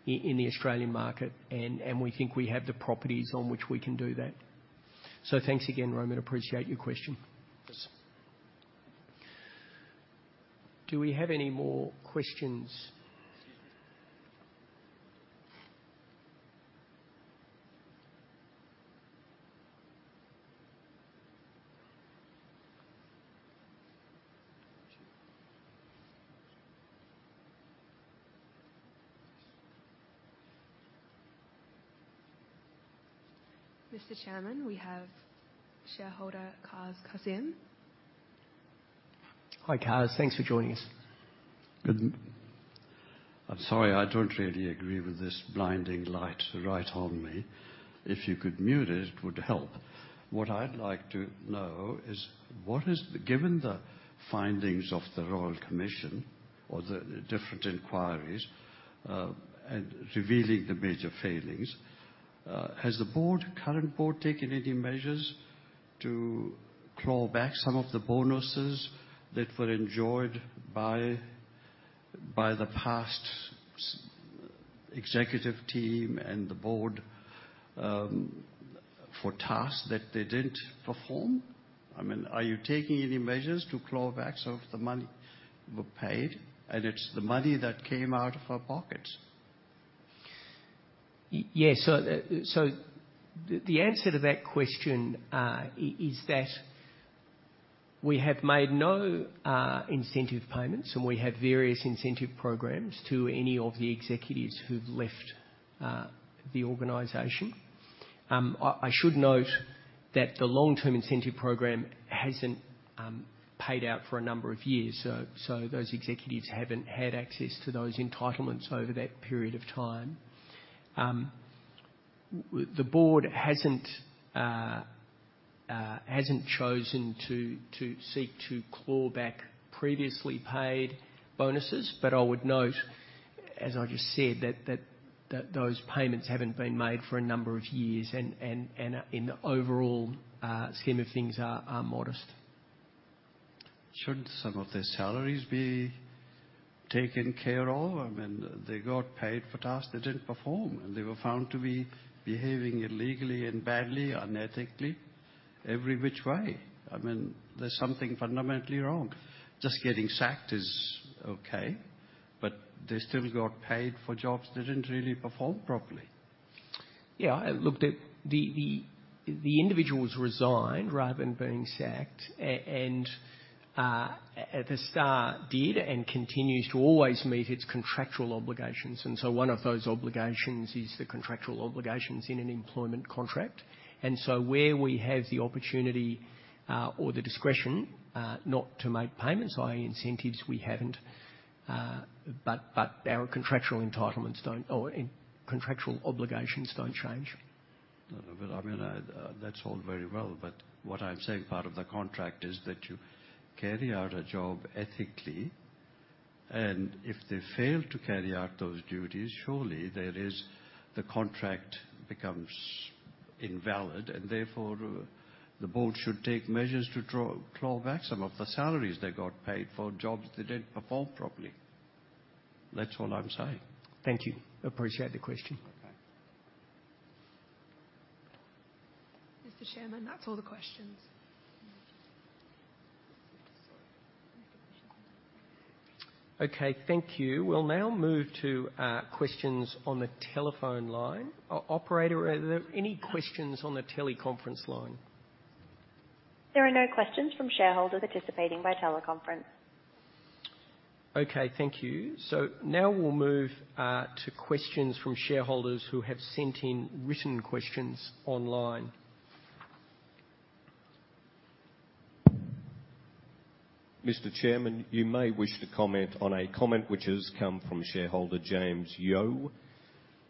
Speaker 1: in the Australian market, and we think we have the properties on which we can do that. Thanks again, Roman. Appreciate your question.
Speaker 6: Yes.
Speaker 1: Do we have any more questions?
Speaker 4: Mr. Chairman, we have shareholder Kaz Kasim.
Speaker 1: Hi, Kaz. Thanks for joining us.
Speaker 7: I'm sorry, I don't really agree with this blinding light right on me. If you could mute it would help. What I'd like to know is Given the findings of the Royal Commission or the different inquiries, and revealing the major failings, has the board, current board, taken any measures to claw back some of the bonuses that were enjoyed by the past executive team and the board, for tasks that they didn't perform? I mean, are you taking any measures to claw back some of the money you paid? It's the money that came out of our pockets.
Speaker 1: Yes. The answer to that question is that we have made no incentive payments, and we have various incentive programs to any of the executives who've left the organization. I should note that the Long-Term Incentive Program hasn't paid out for a number of years, so those executives haven't had access to those entitlements over that period of time. The board hasn't chosen to seek to claw back previously paid bonuses. I would note, as I just said, that those payments haven't been made for a number of years and in the overall scheme of things are modest.
Speaker 7: Shouldn't some of their salaries be taken care of? I mean, they got paid for tasks they didn't perform. They were found to be behaving illegally and badly, unethically, every which way. I mean, there's something fundamentally wrong. Just getting sacked is okay, but they still got paid for jobs they didn't really perform properly.
Speaker 1: Look, the individuals resigned rather than being sacked. The Star did and continues to always meet its contractual obligations, and so one of those obligations is the contractual obligations in an employment contract. Where we have the opportunity, or the discretion, not to make payments, i.e., incentives we haven't, but our contractual entitlements don't, or contractual obligations don't change.
Speaker 7: No, no, but I mean, that's all very well, but what I'm saying, part of the contract is that you carry out a job ethically. If they fail to carry out those duties, surely there is. The contract becomes invalid. Therefore, the board should take measures to claw back some of the salaries they got paid for jobs they didn't perform properly. That's all I'm saying.
Speaker 1: Thank you. Appreciate the question.
Speaker 7: Okay.
Speaker 4: Mr. Chairman, that's all the questions.
Speaker 1: Okay. Thank you. We'll now move to questions on the telephone line. Operator, are there any questions on the teleconference line?
Speaker 8: There are no questions from shareholders participating by teleconference.
Speaker 1: Okay. Thank you. Now we'll move to questions from shareholders who have sent in written questions online.
Speaker 4: Mr. Chairman, you may wish to comment on a comment which has come from shareholder [James Yo].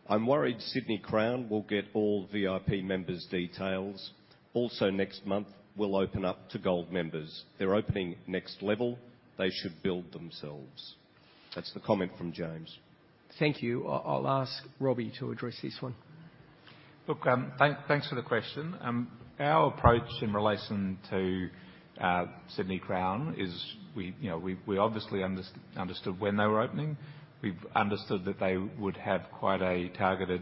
Speaker 4: "I'm worried Crown Sydney will get all VIP members' details. Also next month, we'll open up to gold members. They're opening next level, they should build themselves." That's the comment from James.
Speaker 1: Thank you. I'll ask Robbie to address this one.
Speaker 2: Look, thanks for the question. Our approach in relation to Crown Sydney is we, you know, we obviously understood when they were opening. We've understood that they would have quite a targeted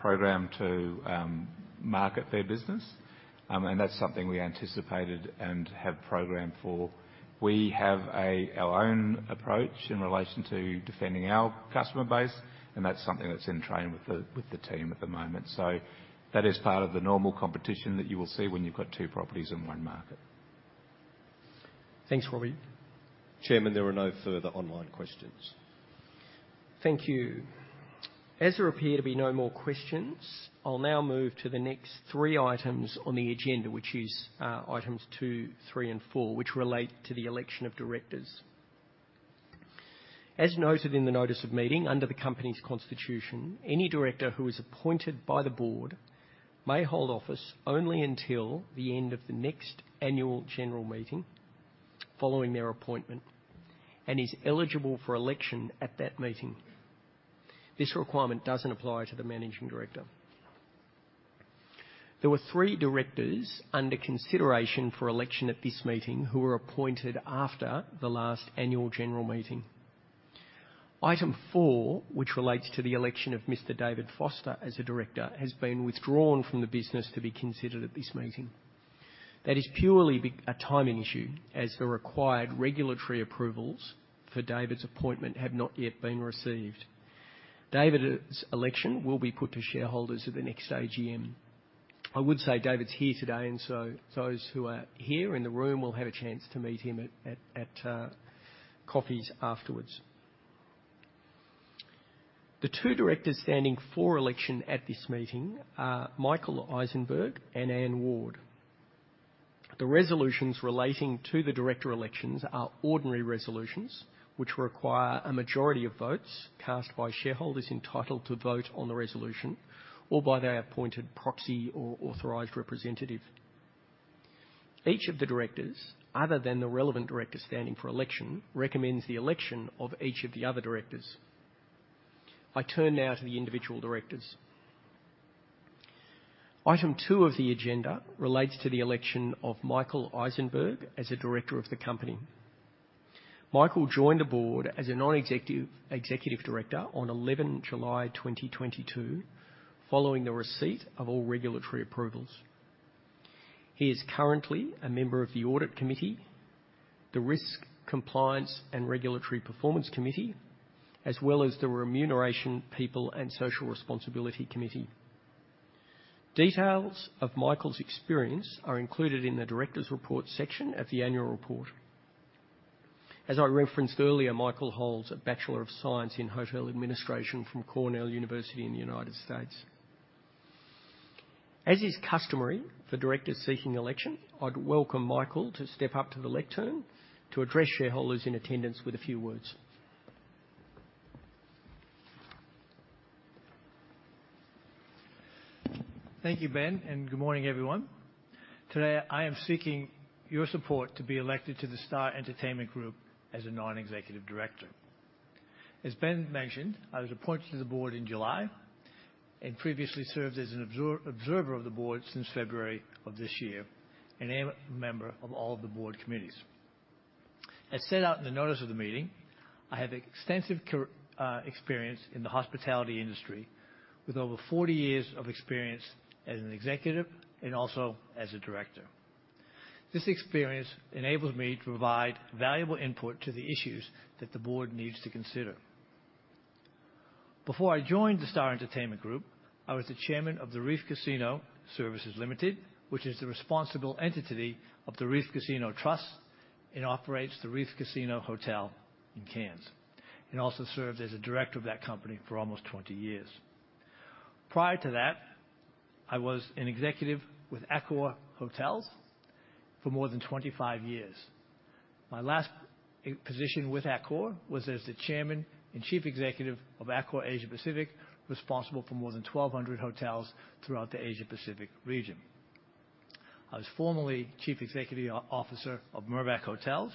Speaker 2: program to market their business. That's something we anticipated and have programmed for. We have our own approach in relation to defending our customer base, and that's something that's in train with the team at the moment. That is part of the normal competition that you will see when you've got two properties in one market.
Speaker 1: Thanks, Robbie.
Speaker 4: Chairman, there are no further online questions.
Speaker 1: Thank you. As there appear to be no more questions, I'll now move to the next three items on the agenda, which is items two, three, and four, which relate to the election of directors. As noted in the notice of meeting, under the company's constitution, any director who is appointed by the board may hold office only until the end of the next annual general meeting following their appointment and is eligible for election at that meeting. This requirement doesn't apply to the Managing Director. There were three directors under consideration for election at this meeting who were appointed after the last annual general meeting. Item four, which relates to the election of Mr. David Foster as a director, has been withdrawn from the business to be considered at this meeting. That is purely a timing issue, as the required regulatory approvals for David Foster's appointment have not yet been received. David Foster election will be put to shareholders at the next AGM. I would say David Foster's here today, those who are here in the room will have a chance to meet him at coffees afterwards. The two directors standing for election at this meeting are Michael Issenberg and Anne Ward. The resolutions relating to the director elections are ordinary resolutions, which require a majority of votes cast by shareholders entitled to vote on the resolution or by their appointed proxy or authorized representative. Each of the directors, other than the relevant director standing for election, recommends the election of each of the other directors. I turn now to the individual directors. Item two of the agenda relates to the election of Michael Issenberg as a director of the company. Michael joined the board as a Non-Executive Director on 11 July 2022, following the receipt of all regulatory approvals. He is currently a member of the Audit Committee, the Risk, Compliance, and Regulatory Performance Committee, as well as the Remuneration, People, and Social Responsibility Committee. Details of Michael's experience are included in the Directors Report section of the annual report. As I referenced earlier, Michael holds a Bachelor of Science in Hotel Administration from Cornell University in the United States. As is customary for directors seeking election, I'd welcome Michael to step up to the lectern to address shareholders in attendance with a few words.
Speaker 9: Thank you, Ben. Good morning, everyone. Today, I am seeking your support to be elected to The Star Entertainment Group as a Non-Executive Director. As Ben mentioned, I was appointed to the board in July and previously served as an observer of the board since February of this year, and am a member of all of the board committees. As set out in the notice of the meeting, I have extensive experience in the hospitality industry with over 40 years of experience as an executive and also as a director. This experience enables me to provide valuable input to the issues that the board needs to consider. Before I joined The Star Entertainment Group, I was the Chairman of Reef Corporate Services Limited, which is the responsible entity of the Reef Casino Trust and operates the Reef Casino Hotel in Cairns, and also served as a director of that company for almost 20 years. Prior to that, I was an executive with Accor hotels for more than 25 years. My last position with Accor was as the Chairman and Chief Executive of Accor Asia Pacific, responsible for more than 1,200 hotels throughout the Asia Pacific region. I was formerly Chief Executive Officer of Mirvac Hotels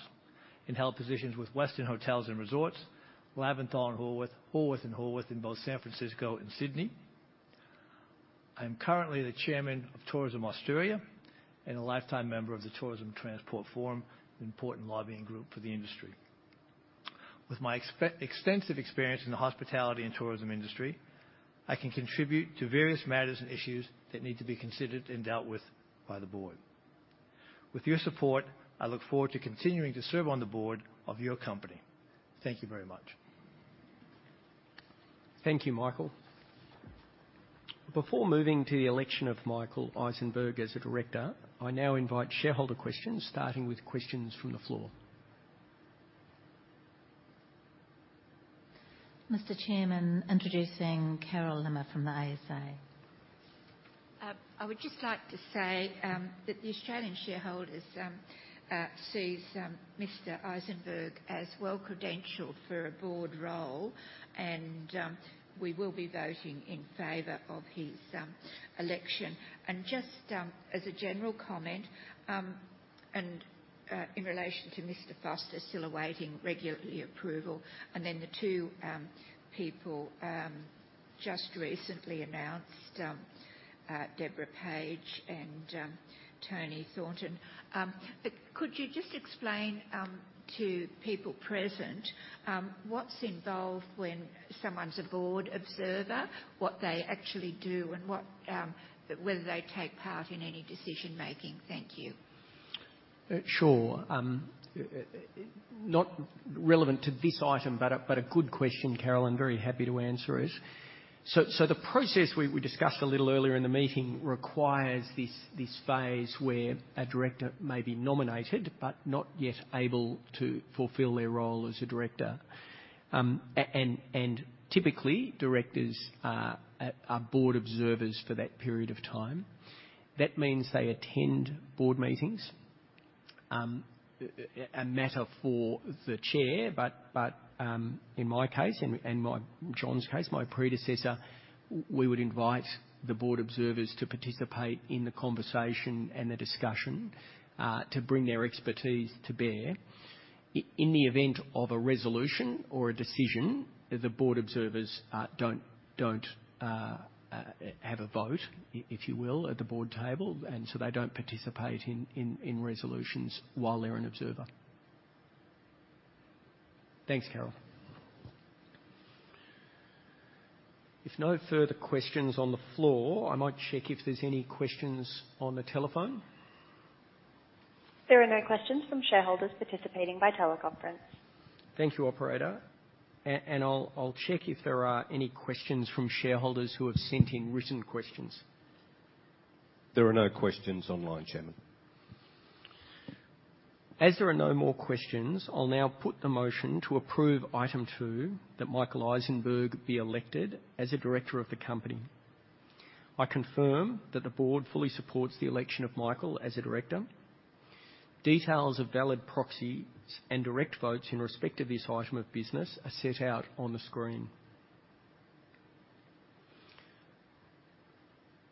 Speaker 9: and held positions with Westin Hotels & Resorts, Laventhol & Horwath and Horwath in both San Francisco and Sydney. I'm currently the Chairman of Tourism Australia and a lifetime member of the Tourism Transport Forum, an important lobbying group for the industry. With my extensive experience in the hospitality and tourism industry, I can contribute to various matters and issues that need to be considered and dealt with by the board. With your support, I look forward to continuing to serve on the board of your company. Thank you very much.
Speaker 1: Thank you, Michael. Before moving to the election of Michael Issenberg as a director, I now invite shareholder questions, starting with questions from the floor.
Speaker 4: Mr. Chairman, introducing Carol Limmer from the ASA.
Speaker 3: I would just like to say that the Australian Shareholders sees Mr. Issenberg as well-credentialed for a board role, and we will be voting in favor of his election. Just as a general comment, and in relation to Mr. Foster still awaiting regulatory approval, and then the two people just recently announced, Deborah Page and Toni Thornton. Could you just explain to people present what's involved when someone's a board observer, what they actually do and what whether they take part in any decision-making? Thank you.
Speaker 1: Sure. Not relevant to this item, but a good question, Carol, and very happy to answer it. The process we discussed a little earlier in the meeting requires this phase where a director may be nominated but not yet able to fulfill their role as a director. And typically, directors are board observers for that period of time. That means they attend board meetings, a matter for the chair, but in my case, and John's case, my predecessor, we would invite the board observers to participate in the conversation and the discussion to bring their expertise to bear. In the event of a resolution or a decision, the board observers don't have a vote, if you will, at the board table, and so they don't participate in resolutions while they're an observer. Thanks, Carol. If no further questions on the floor, I might check if there's any questions on the telephone.
Speaker 8: There are no questions from shareholders participating by teleconference.
Speaker 1: Thank you, operator. I'll check if there are any questions from shareholders who have sent in written questions.
Speaker 4: There are no questions online, Chairman.
Speaker 1: As there are no more questions, I'll now put the motion to approve item two, that Michael Issenberg be elected as a director of the company. I confirm that the board fully supports the election of Michael as a director. Details of valid proxies and direct votes in respect of this item of business are set out on the screen.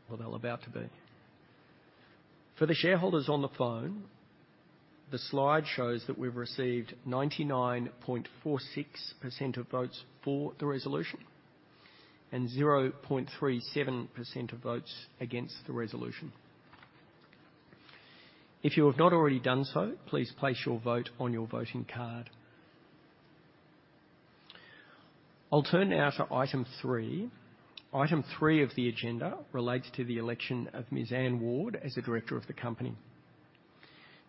Speaker 1: Well, they're about to be. For the shareholders on the phone, the slide shows that we've received 99.46% of votes for the resolution and 0.37% of votes against the resolution. If you have not already done so, please place your vote on your voting card. I'll turn now to item three. Item three of the agenda relates to the election of Ms. Anne Ward as a director of the company.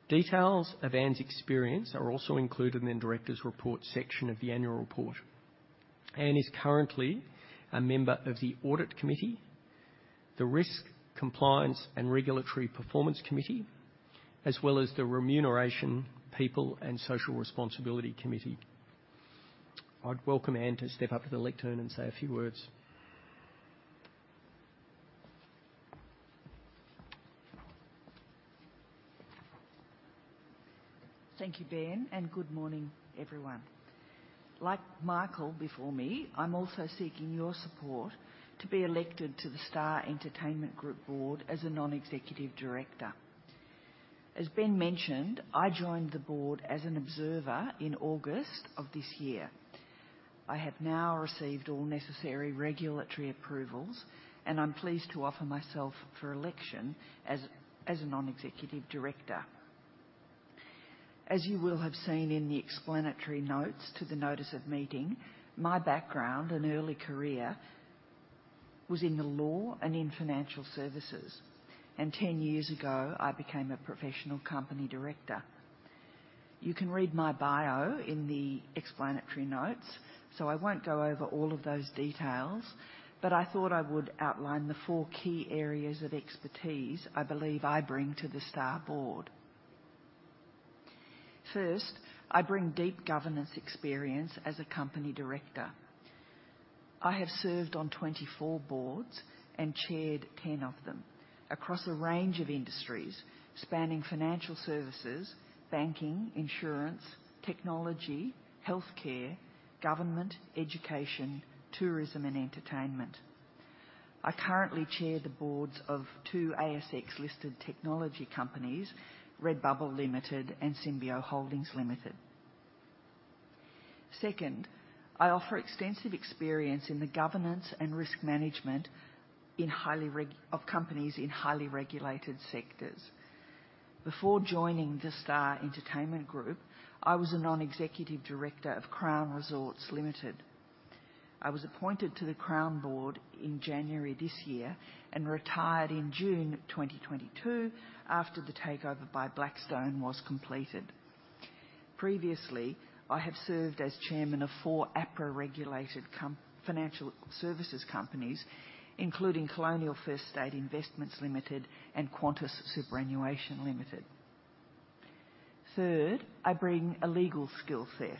Speaker 1: Details of Anne's experience are also included in the directors' report section of the annual report. Anne is currently a member of the Audit Committee. The Risk, Compliance and Regulatory Performance Committee, as well as the Remuneration, People and Social Responsibility Committee. I'd welcome Anne to step up to the lectern and say a few words.
Speaker 10: Thank you, Ben. Good morning, everyone. Like Michael before me, I'm also seeking your support to be elected to The Star Entertainment Group board as a Non-Executive Director. As Ben mentioned, I joined the board as an observer in August of this year. I have now received all necessary regulatory approvals. I'm pleased to offer myself for election as a Non-Executive Director. As you will have seen in the explanatory notes to the notice of meeting, my background and early career was in the law and in financial services. 10 years ago, I became a professional company director. You can read my bio in the explanatory notes. I won't go over all of those details, but I thought I would outline the four key areas of expertise I believe I bring to The Star board. First, I bring deep governance experience as a company director. I have served on 24 boards and chaired 10 of them across a range of industries spanning financial services, banking, insurance, technology, healthcare, government, education, tourism and entertainment. I currently chair the boards of two ASX-listed technology companies, Redbubble Limited and Symbio Holdings Limited. Second, I offer extensive experience in the governance and risk management of companies in highly regulated sectors. Before joining The Star Entertainment Group, I was a Non-Executive Director of Crown Resorts Limited. I was appointed to the Crown board in January this year and retired in June 2022 after the takeover by Blackstone was completed. Previously, I have served as chairman of four APRA-regulated financial services companies, including Colonial First State Investments Limited and Qantas Superannuation Limited. Third, I bring a legal skill set.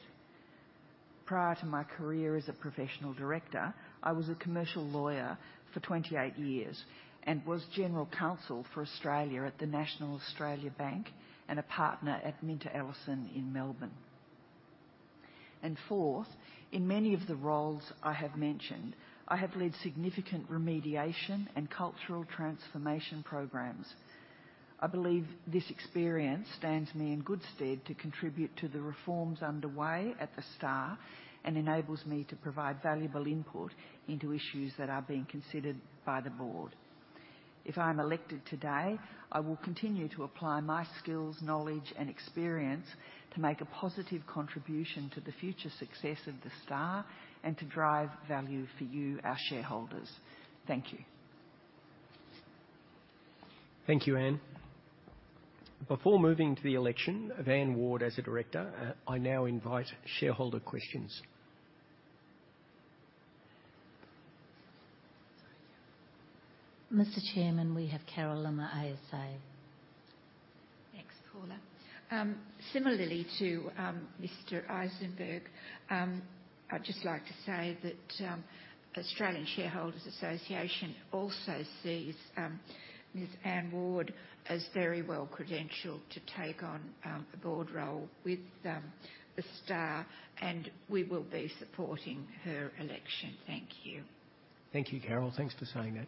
Speaker 10: Prior to my career as a professional director, I was a commercial lawyer for 28 years and was general counsel for Australia at the National Australia Bank and a partner at MinterEllison in Melbourne. Fourth, in many of the roles I have mentioned, I have led significant remediation and cultural transformation programs. I believe this experience stands me in good stead to contribute to the reforms underway at The Star and enables me to provide valuable input into issues that are being considered by the board. If I am elected today, I will continue to apply my skills, knowledge, and experience to make a positive contribution to the future success of The Star and to drive value for you, our shareholders. Thank you.
Speaker 1: Thank you, Anne. Before moving to the election of Anne Ward as a director, I now invite shareholder questions.
Speaker 4: Mr. Chairman, we have Carol Limmer, ASA.
Speaker 3: Thanks. Similarly to Mr. Issenberg, I'd just like to say that Australian Shareholders' Association also sees Ms. Anne Ward as very well-credentialed to take on a board role with The Star, and we will be supporting her election. Thank you.
Speaker 1: Thank you, Carol. Thanks for saying that.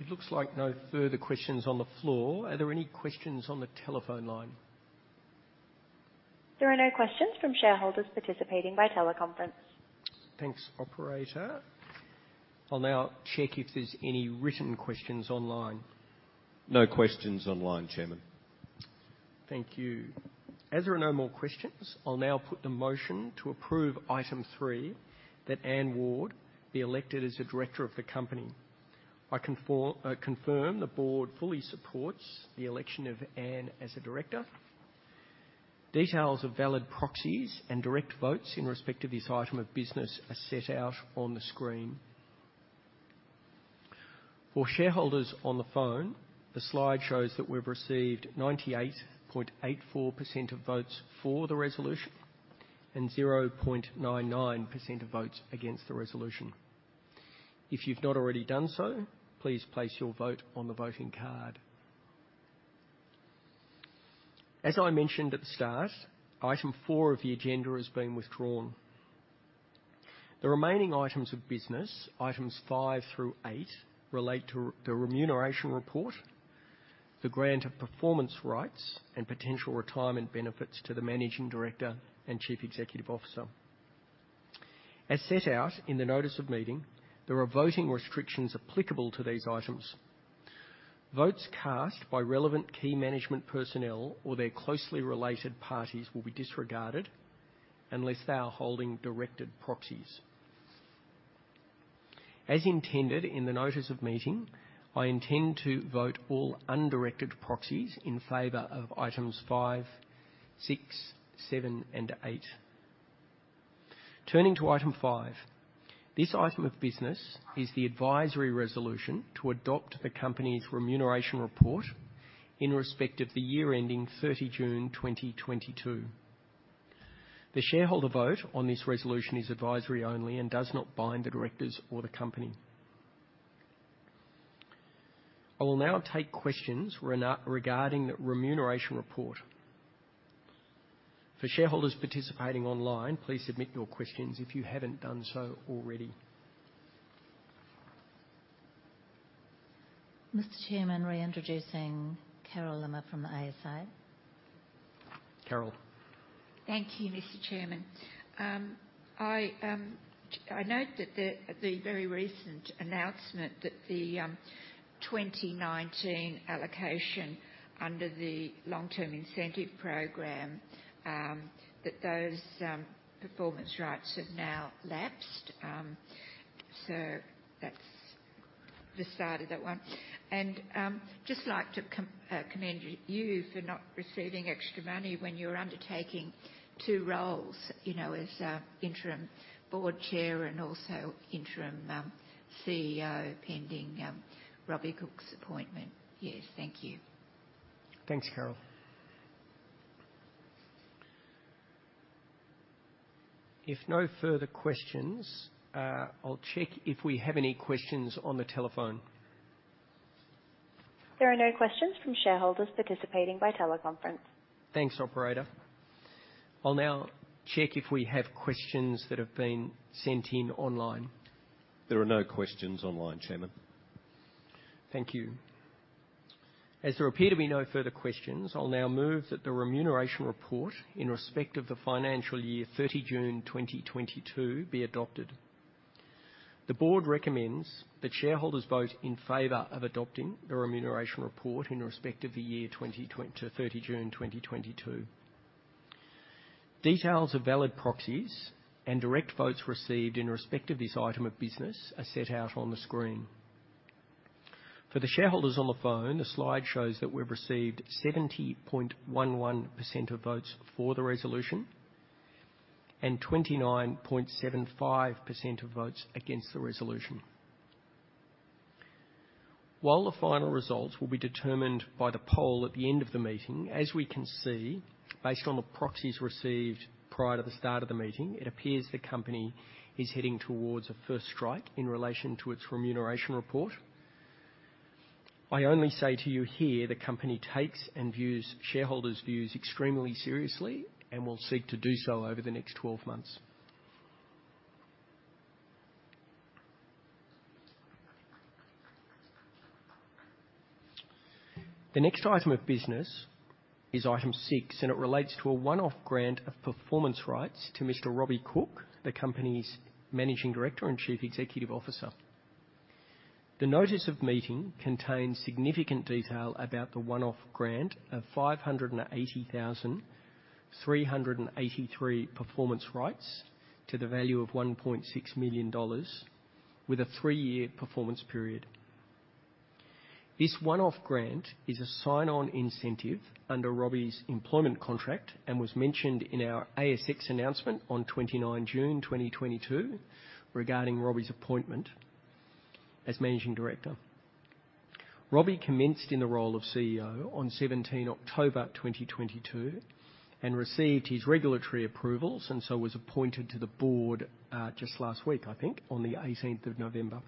Speaker 1: It looks like no further questions on the floor. Are there any questions on the telephone line?
Speaker 8: There are no questions from shareholders participating by teleconference.
Speaker 1: Thanks, operator. I'll now check if there's any written questions online.
Speaker 4: No questions online, Chairman.
Speaker 1: Thank you. As there are no more questions, I'll now put the motion to approve item three, that Anne Ward be elected as a director of the company. I can confirm the board fully supports the election of Anne as a director. Details of valid proxies and direct votes in respect of this item of business are set out on the screen. For shareholders on the phone, the slide shows that we've received 98.84% of votes for the resolution and 0.99% of votes against the resolution. If you've not already done so, please place your vote on the voting card. As I mentioned at the start, item four of the agenda has been withdrawn. The remaining items of business, items five through eight, relate to the remuneration report, the grant of performance rights, and potential retirement benefits to the Managing Director and Chief Executive Officer. As set out in the notice of meeting, there are voting restrictions applicable to these items. Votes cast by relevant key management personnel or their closely related parties will be disregarded unless they are holding directed proxies. As intended in the notice of meeting, I intend to vote all undirected proxies in favor of items five, six, seven, and eight. Turning to item five, this item of business is the advisory resolution to adopt the company's remuneration report in respect of the year ending 30 June 2022. The shareholder vote on this resolution is advisory only and does not bind the directors or the company. I will now take questions regarding the remuneration report. For shareholders participating online, please submit your questions if you haven't done so already.
Speaker 4: Mr. Chairman, reintroducing Carol Limmer from the ASA.
Speaker 1: Carol.
Speaker 3: Thank you, Mr. Chairman. I note that the very recent announcement that the 2019 allocation under the Long-Term Incentive Program, that those performance rights have now lapsed. So that's the start of that one. Just like to commend you for not receiving extra money when you're undertaking two roles, you know, as interim board chair and also interim CEO, pending Robbie Cooke's appointment. Yes. Thank you.
Speaker 1: Thanks, Carol. If no further questions, I'll check if we have any questions on the telephone.
Speaker 8: There are no questions from shareholders participating by teleconference.
Speaker 1: Thanks, operator. I'll now check if we have questions that have been sent in online.
Speaker 4: There are no questions online, Chairman.
Speaker 1: Thank you. As there appear to be no further questions, I'll now move that the remuneration report in respect of the financial year 30 June 2022 be adopted. The board recommends that shareholders vote in favor of adopting the remuneration report in respect of the year to 30 June 2022. Details of valid proxies and direct votes received in respect of this item of business are set out on the screen. For the shareholders on the phone, the slide shows that we've received 70.11% of votes for the resolution and 29.75% of votes against the resolution. While the final results will be determined by the poll at the end of the meeting, as we can see, based on the proxies received prior to the start of the meeting, it appears the company is heading towards a first strike in relation to its remuneration report. I only say to you here, the company takes and views shareholders' views extremely seriously and will seek to do so over the next 12 months. The next item of business is item six, and it relates to a one-off grant of performance rights to Mr. Robbie Cooke, the company's Managing Director and Chief Executive Officer. The notice of meeting contains significant detail about the one-off grant of 580,383 performance rights to the value of 1.6 million dollars with a three-year performance period. This one-off grant is a sign-on incentive under Robbie's employment contract and was mentioned in our ASX announcement on 29 June 2022 regarding Robbie's appointment as Managing Director. Robbie commenced in the role of CEO on 17 October 2022 and received his regulatory approvals was appointed to the board, just last week, I think, on the 18th of November.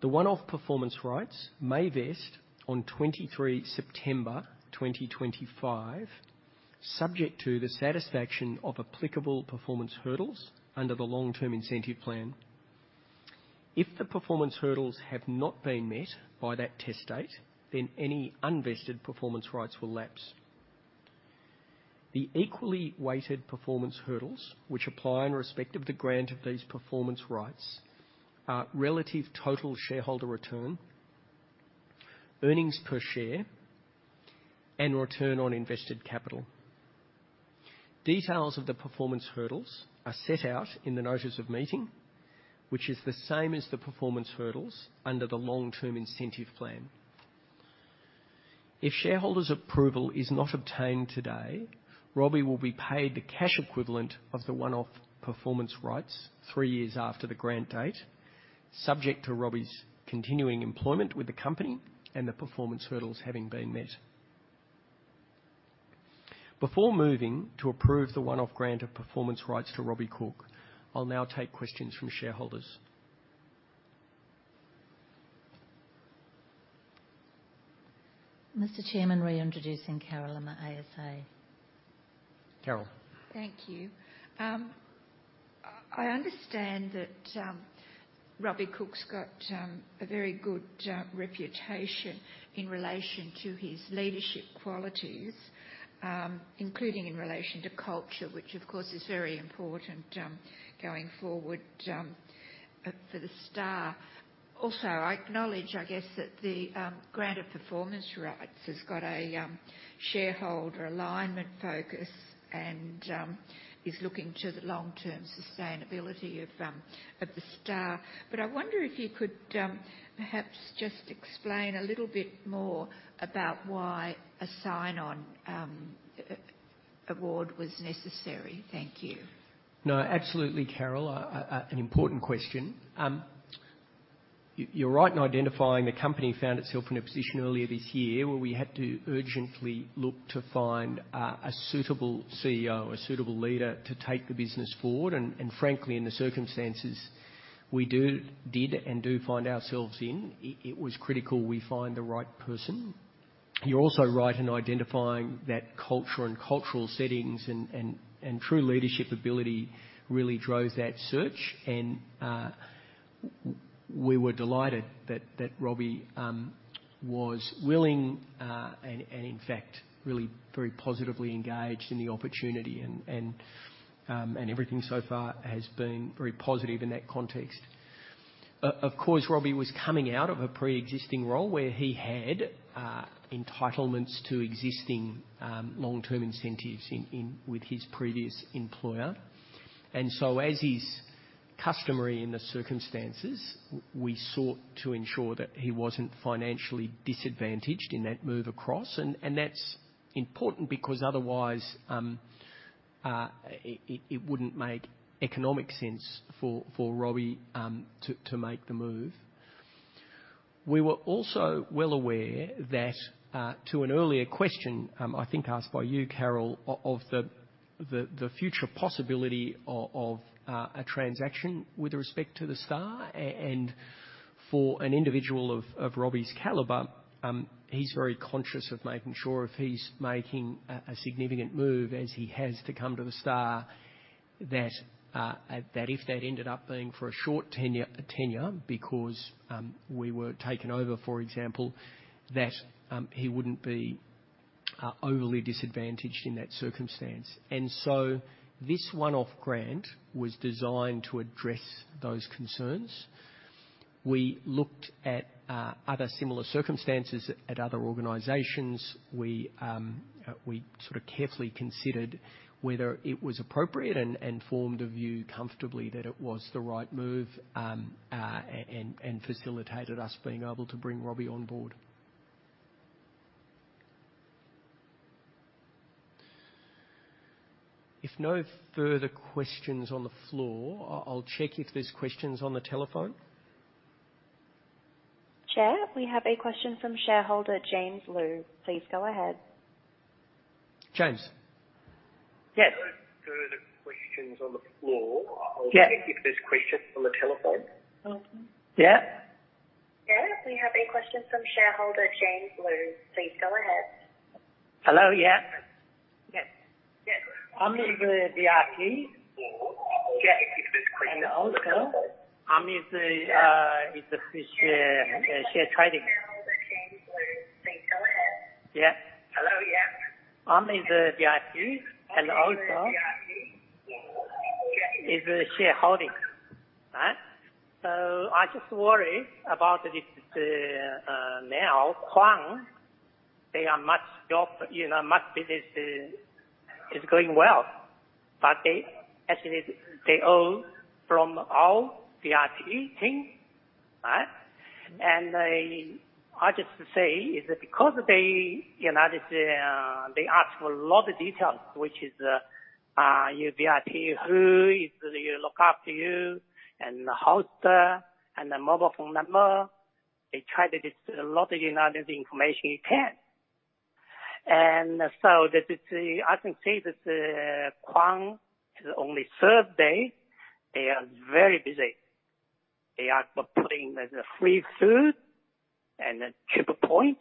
Speaker 1: The one-off performance rights may vest on 23 September 2025 subject to the satisfaction of applicable performance hurdles under the Long-Term Incentive Plan. If the performance hurdles have not been met by that test date, then any unvested performance rights will lapse. The equally weighted performance hurdles which apply in respect of the grant of these performance rights are relative total shareholder return, earnings per share, and return on invested capital. Details of the performance hurdles are set out in the notice of meeting, which is the same as the performance hurdles under the Long-Term Incentive Plan. If shareholders' approval is not obtained today, Robbie will be paid the cash equivalent of the one-off performance rights three years after the grant date, subject to Robbie's continuing employment with the company and the performance hurdles having been met. Before moving to approve the one-off grant of performance rights to Robbie Cooke, I'll now take questions from shareholders.
Speaker 4: Mr. Chairman, reintroducing Carol Limmer, ASA.
Speaker 1: Carol.
Speaker 3: Thank you. I understand that Robbie Cooke's got a very good reputation in relation to his leadership qualities, including in relation to culture, which of course is very important going forward for The Star. Also, I acknowledge, I guess, that the granted performance rights has got a shareholder alignment focus and is looking to the long-term sustainability of The Star. I wonder if you could perhaps just explain a little bit more about why a sign-on award was necessary. Thank you.
Speaker 1: No, absolutely, Carol. an important question. You're right in identifying the company found itself in a position earlier this year where we had to urgently look to find a suitable CEO, a suitable leader to take the business forward. Frankly, in the circumstances we did and do find ourselves in, it was critical we find the right person. You're also right in identifying that culture and cultural settings and true leadership ability really drove that search. We were delighted that Robbie was willing and in fact, really very positively engaged in the opportunity. Everything so far has been very positive in that context. Of course, Robbie was coming out of a preexisting role where he had entitlements to existing long-term incentives with his previous employer. As is customary in the circumstances, we sought to ensure that he wasn't financially disadvantaged in that move across. That's important because otherwise, it wouldn't make economic sense for Robbie to make the move. We were also well aware that to an earlier question, I think asked by you, Carol, of the future possibility of a transaction with respect to The Star. And for an individual of Robbie's caliber, he's very conscious of making sure if he's making a significant move as he has to come to The Star, that if that ended up being for a short tenure because we were taken over, for example, that he wouldn't be overly disadvantaged in that circumstance. This one-off grant was designed to address those concerns. We looked at other similar circumstances at other organizations. We sort of carefully considered whether it was appropriate and formed a view comfortably that it was the right move, and facilitated us being able to bring Robbie on board. If no further questions on the floor, I'll check if there's questions on the telephone.
Speaker 8: Chair, we have a question from shareholder James Lu. Please go ahead.
Speaker 1: James.
Speaker 11: Yes.
Speaker 1: If no further questions on the floor.
Speaker 11: Yes.
Speaker 1: I'll check if there's questions on the telephone.
Speaker 11: Yeah.
Speaker 8: Yeah. We have a question from shareholder James Lu. Please go ahead.
Speaker 11: Hello. Yes. Yes. I'm in the VIP.
Speaker 1: If no further questions on the floor.
Speaker 11: I'm in the in the share trading.
Speaker 8: Shareholder James Lu. Please go ahead.
Speaker 11: Yeah. Hello. Yes. I'm in the VIP, and also is a shareholder. So I just worry about this, now, Crown, they are much job, you know, much business is going well, but they. Actually, they own from our VIP team, right? And I just say is because they, you know, this, they ask for a lot of details, which is, your VIP, who is your look after you, and the host, and the mobile phone number. They try to dis-- lot of, you know, the information you can. So this is the. I can see that, Crown is only third day, they are very busy. They are putting the free food and the triple points.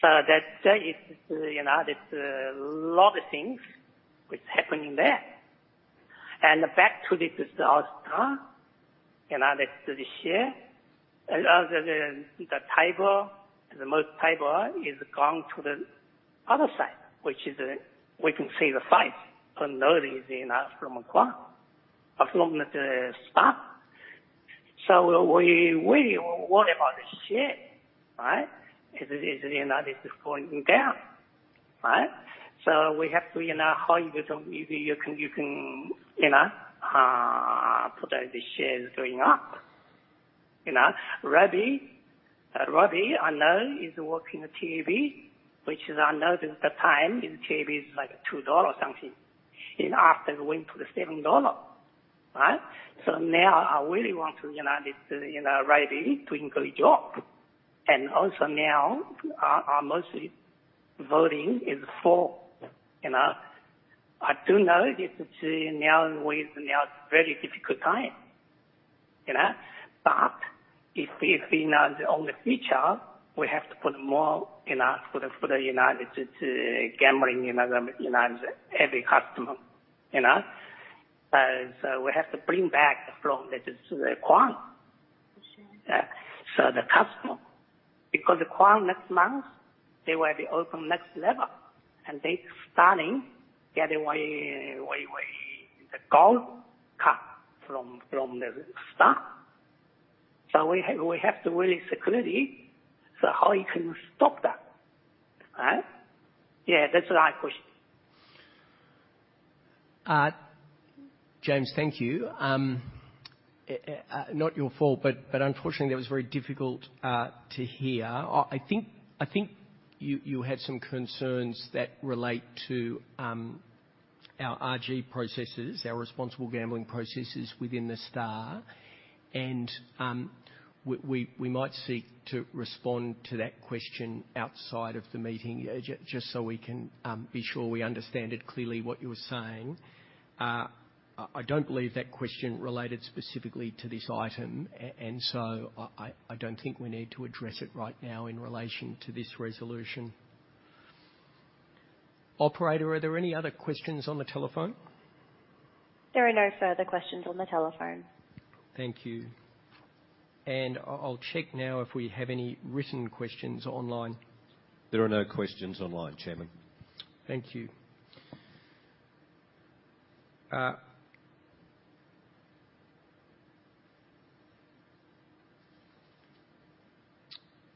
Speaker 11: So that is, you know, there's lot of things which happening there. Back to The Star, you know, the share, the table, the most table is gone to the other side, which is the. We can see the site, but nothing is, you know, from Crown or from The Star. We, we worry about the share, right? You know, this is falling down, right? We have to, you know, how you can, you know, put the shares going up, you know. Robbie, I know is working with TV, which is another the time in TV is like $2 something. After it went to the $7, right? Now I really want to, you know, this, you know, Robbie to include job. Also now, mostly voting is for, you know. I do know this is the now in ways now it's very difficult time, you know. If, if, you know, the only feature we have to put more, you know, for the, for the, you know, the to gambling, you know, the, you know, every customer, you know. So we have to bring back from this Crown.
Speaker 1: Sure.
Speaker 11: Because Crown next month, they will be open next level, and they starting get away the gold cup from The Star. We have to really security. How you can stop that, right? Yeah, that's right question.
Speaker 1: James, thank you. Not your fault, but unfortunately, that was very difficult to hear. I think you had some concerns that relate to our RG processes, our responsible gambling processes within The Star. We might seek to respond to that question outside of the meeting, just so we can be sure we understand it clearly what you're saying. I don't believe that question related specifically to this item. So I don't think we need to address it right now in relation to this resolution. Operator, are there any other questions on the telephone?
Speaker 8: There are no further questions on the telephone.
Speaker 1: Thank you. I'll check now if we have any written questions online.
Speaker 4: There are no questions online, Chairman.
Speaker 1: Thank you.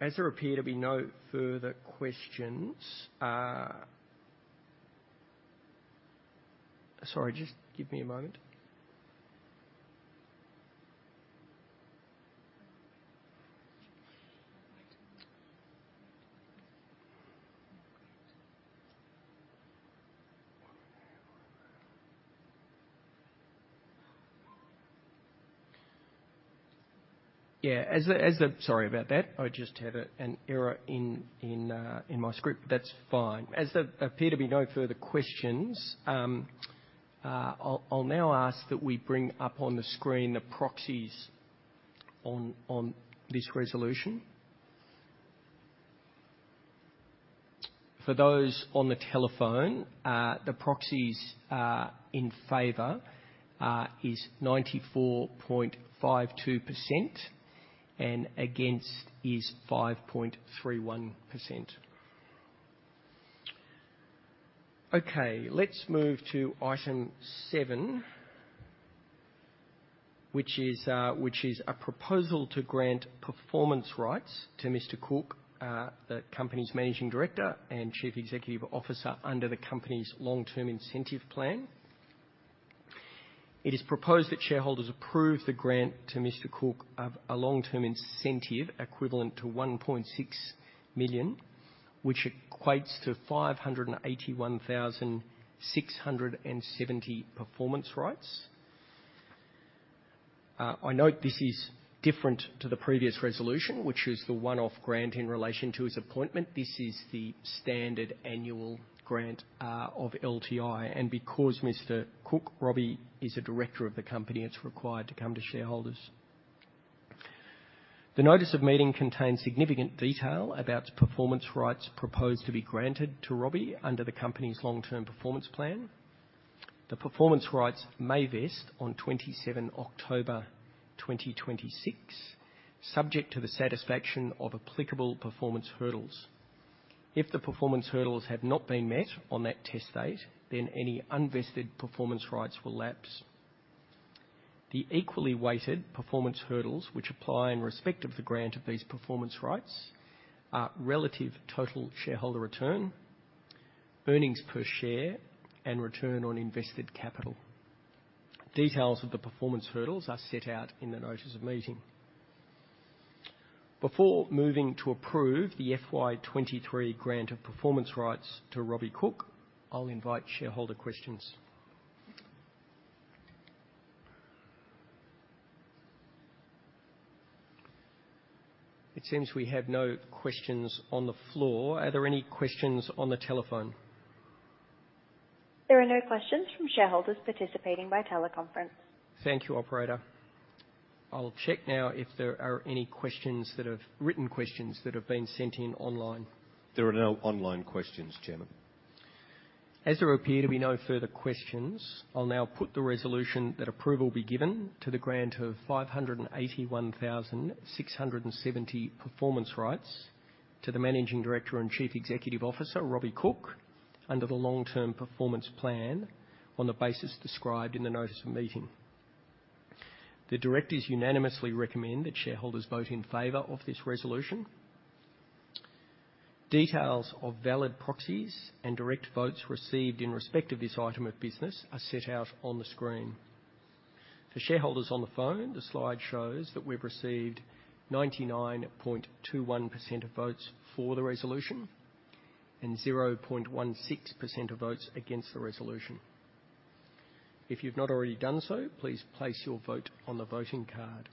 Speaker 1: As there appear to be no further questions. Sorry, just give me a moment. Sorry about that. I just had an error in my script. That's fine. As there appear to be no further questions, I'll now ask that we bring up on the screen the proxies on this resolution. For those on the telephone, the proxies in favor is 94.52% and against is 5.31%. Okay, let's move to item seven, which is a proposal to grant performance rights to Mr. Cooke, the company's Managing Director and Chief Executive Officer under the company's Long-Term Incentive Plan. It is proposed that shareholders approve the grant to Mr. Robbie Cooke of a long-term incentive equivalent to 1.6 million, which equates to 581,670 performance rights. I note this is different to the previous resolution, which was the one-off grant in relation to his appointment. This is the standard annual grant of LTI. Because Robbie Cooke is a director of the company, it's required to come to shareholders. The notice of meeting contains significant detail about performance rights proposed to be granted to Robbie Cooke under the company's long-term performance plan. The performance rights may vest on 27 October 2026, subject to the satisfaction of applicable performance hurdles. If the performance hurdles have not been met on that test date, any unvested performance rights will lapse. The equally weighted performance hurdles which apply in respect of the grant of these performance rights are relative total shareholder return, earnings per share, and return on invested capital. Details of the performance hurdles are set out in the notice of meeting. Before moving to approve the FY 2023 grant of performance rights to Robbie Cooke, I'll invite shareholder questions. It seems we have no questions on the floor. Are there any questions on the telephone?
Speaker 8: There are no questions from shareholders participating by teleconference.
Speaker 1: Thank you, operator. I'll check now if there are any written questions that have been sent in online.
Speaker 4: There are no online questions, Chairman.
Speaker 1: As there appear to be no further questions, I'll now put the resolution that approval be given to the grant of 581,670 performance rights to the Managing Director and Chief Executive Officer, Robbie Cooke, under the Long-Term Performance Plan on the basis described in the notice of meeting. The directors unanimously recommend that shareholders vote in favor of this resolution. Details of valid proxies and direct votes received in respect of this item of business are set out on the screen. For shareholders on the phone, the slide shows that we've received 99.21% of votes for the resolution and 0.16% of votes against the resolution. If you've not already done so, please place your vote on the voting card.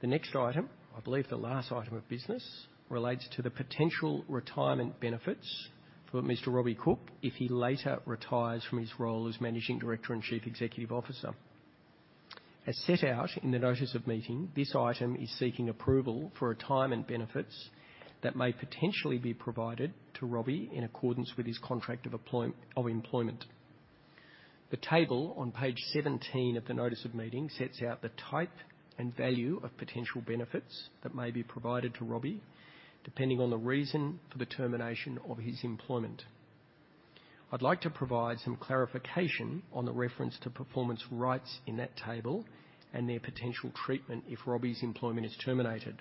Speaker 1: The next item, I believe the last item of business, relates to the potential retirement benefits for Mr. Robbie Cooke if he later retires from his role as Managing Director and Chief Executive Officer. As set out in the notice of meeting, this item is seeking approval for retirement benefits that may potentially be provided to Robbie in accordance with his contract of employment. The table on page 17 of the notice of meeting sets out the type and value of potential benefits that may be provided to Robbie, depending on the reason for the termination of his employment. I'd like to provide some clarification on the reference to performance rights in that table and their potential treatment if Robbie's employment is terminated.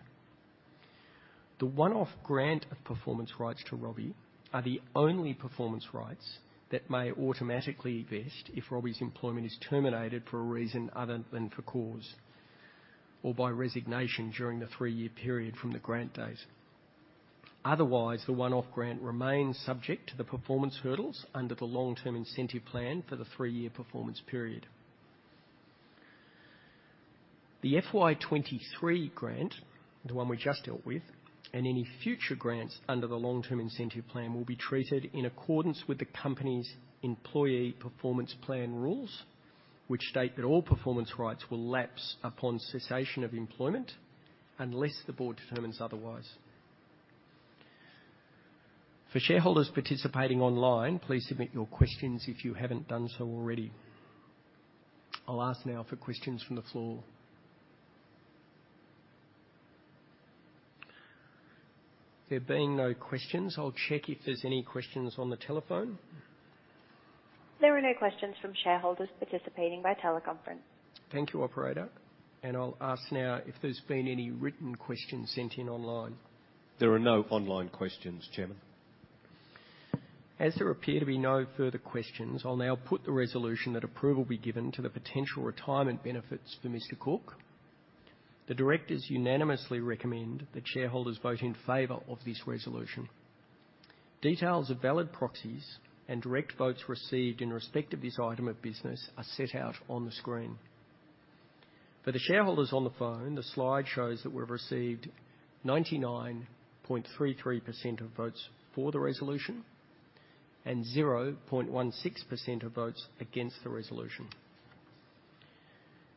Speaker 1: The one-off grant of performance rights to Robbie are the only performance rights that may automatically vest if Robbie's employment is terminated for a reason other than for cause or by resignation during the three-year period from the grant date. Otherwise, the one-off grant remains subject to the performance hurdles under the Long-Term Incentive Plan for the three-year performance period. The FY 2023 grant, the one we just dealt with, and any future grants under the Long-Term Incentive Plan will be treated in accordance with the company's employee performance plan rules, which state that all performance rights will lapse upon cessation of employment unless the board determines otherwise. For shareholders participating online, please submit your questions if you haven't done so already. I'll ask now for questions from the floor. There being no questions, I'll check if there's any questions on the telephone.
Speaker 8: There are no questions from shareholders participating by teleconference.
Speaker 1: Thank you, operator. I'll ask now if there's been any written questions sent in online.
Speaker 4: There are no online questions, Chairman.
Speaker 1: As there appear to be no further questions, I'll now put the resolution that approval be given to the potential retirement benefits for Mr. Cooke. The directors unanimously recommend that shareholders vote in favor of this resolution. Details of valid proxies and direct votes received in respect of this item of business are set out on the screen. For the shareholders on the phone, the slide shows that we've received 99.33% of votes for the resolution and 0.16% of votes against the resolution.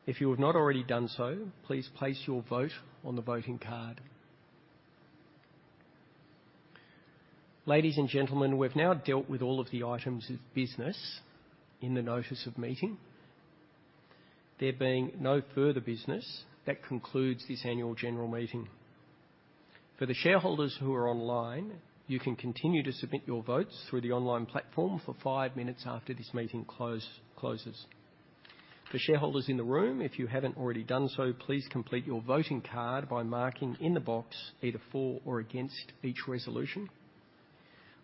Speaker 1: If you have not already done so, please place your vote on the voting card. Ladies and gentlemen, we've now dealt with all of the items of business in the notice of meeting. There being no further business, that concludes this annual general meeting. For the shareholders who are online, you can continue to submit your votes through the online platform for five minutes after this meeting closes. For shareholders in the room, if you haven't already done so, please complete your voting card by marking in the box either for or against each resolution.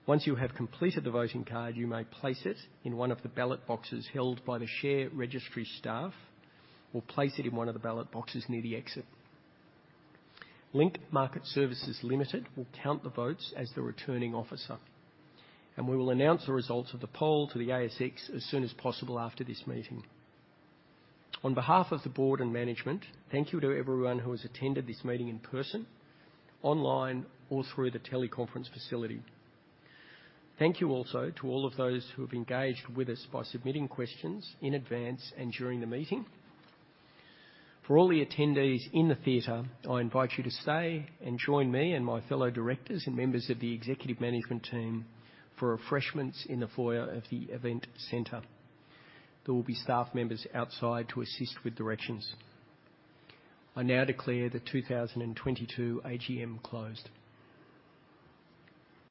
Speaker 1: Once you have completed the voting card, you may place it in one of the ballot boxes held by the share registry staff or place it in one of the ballot boxes near the exit. Link Market Services Limited will count the votes as the returning officer, and we will announce the results of the poll to the ASX as soon as possible after this meeting. On behalf of the board and management, thank you to everyone who has attended this meeting in person, online or through the teleconference facility. Thank you also to all of those who have engaged with us by submitting questions in advance and during the meeting. For all the attendees in the theater, I invite you to stay and join me and my fellow directors and members of the executive management team for refreshments in the foyer of the event center. There will be staff members outside to assist with directions. I now declare the 2022 AGM closed.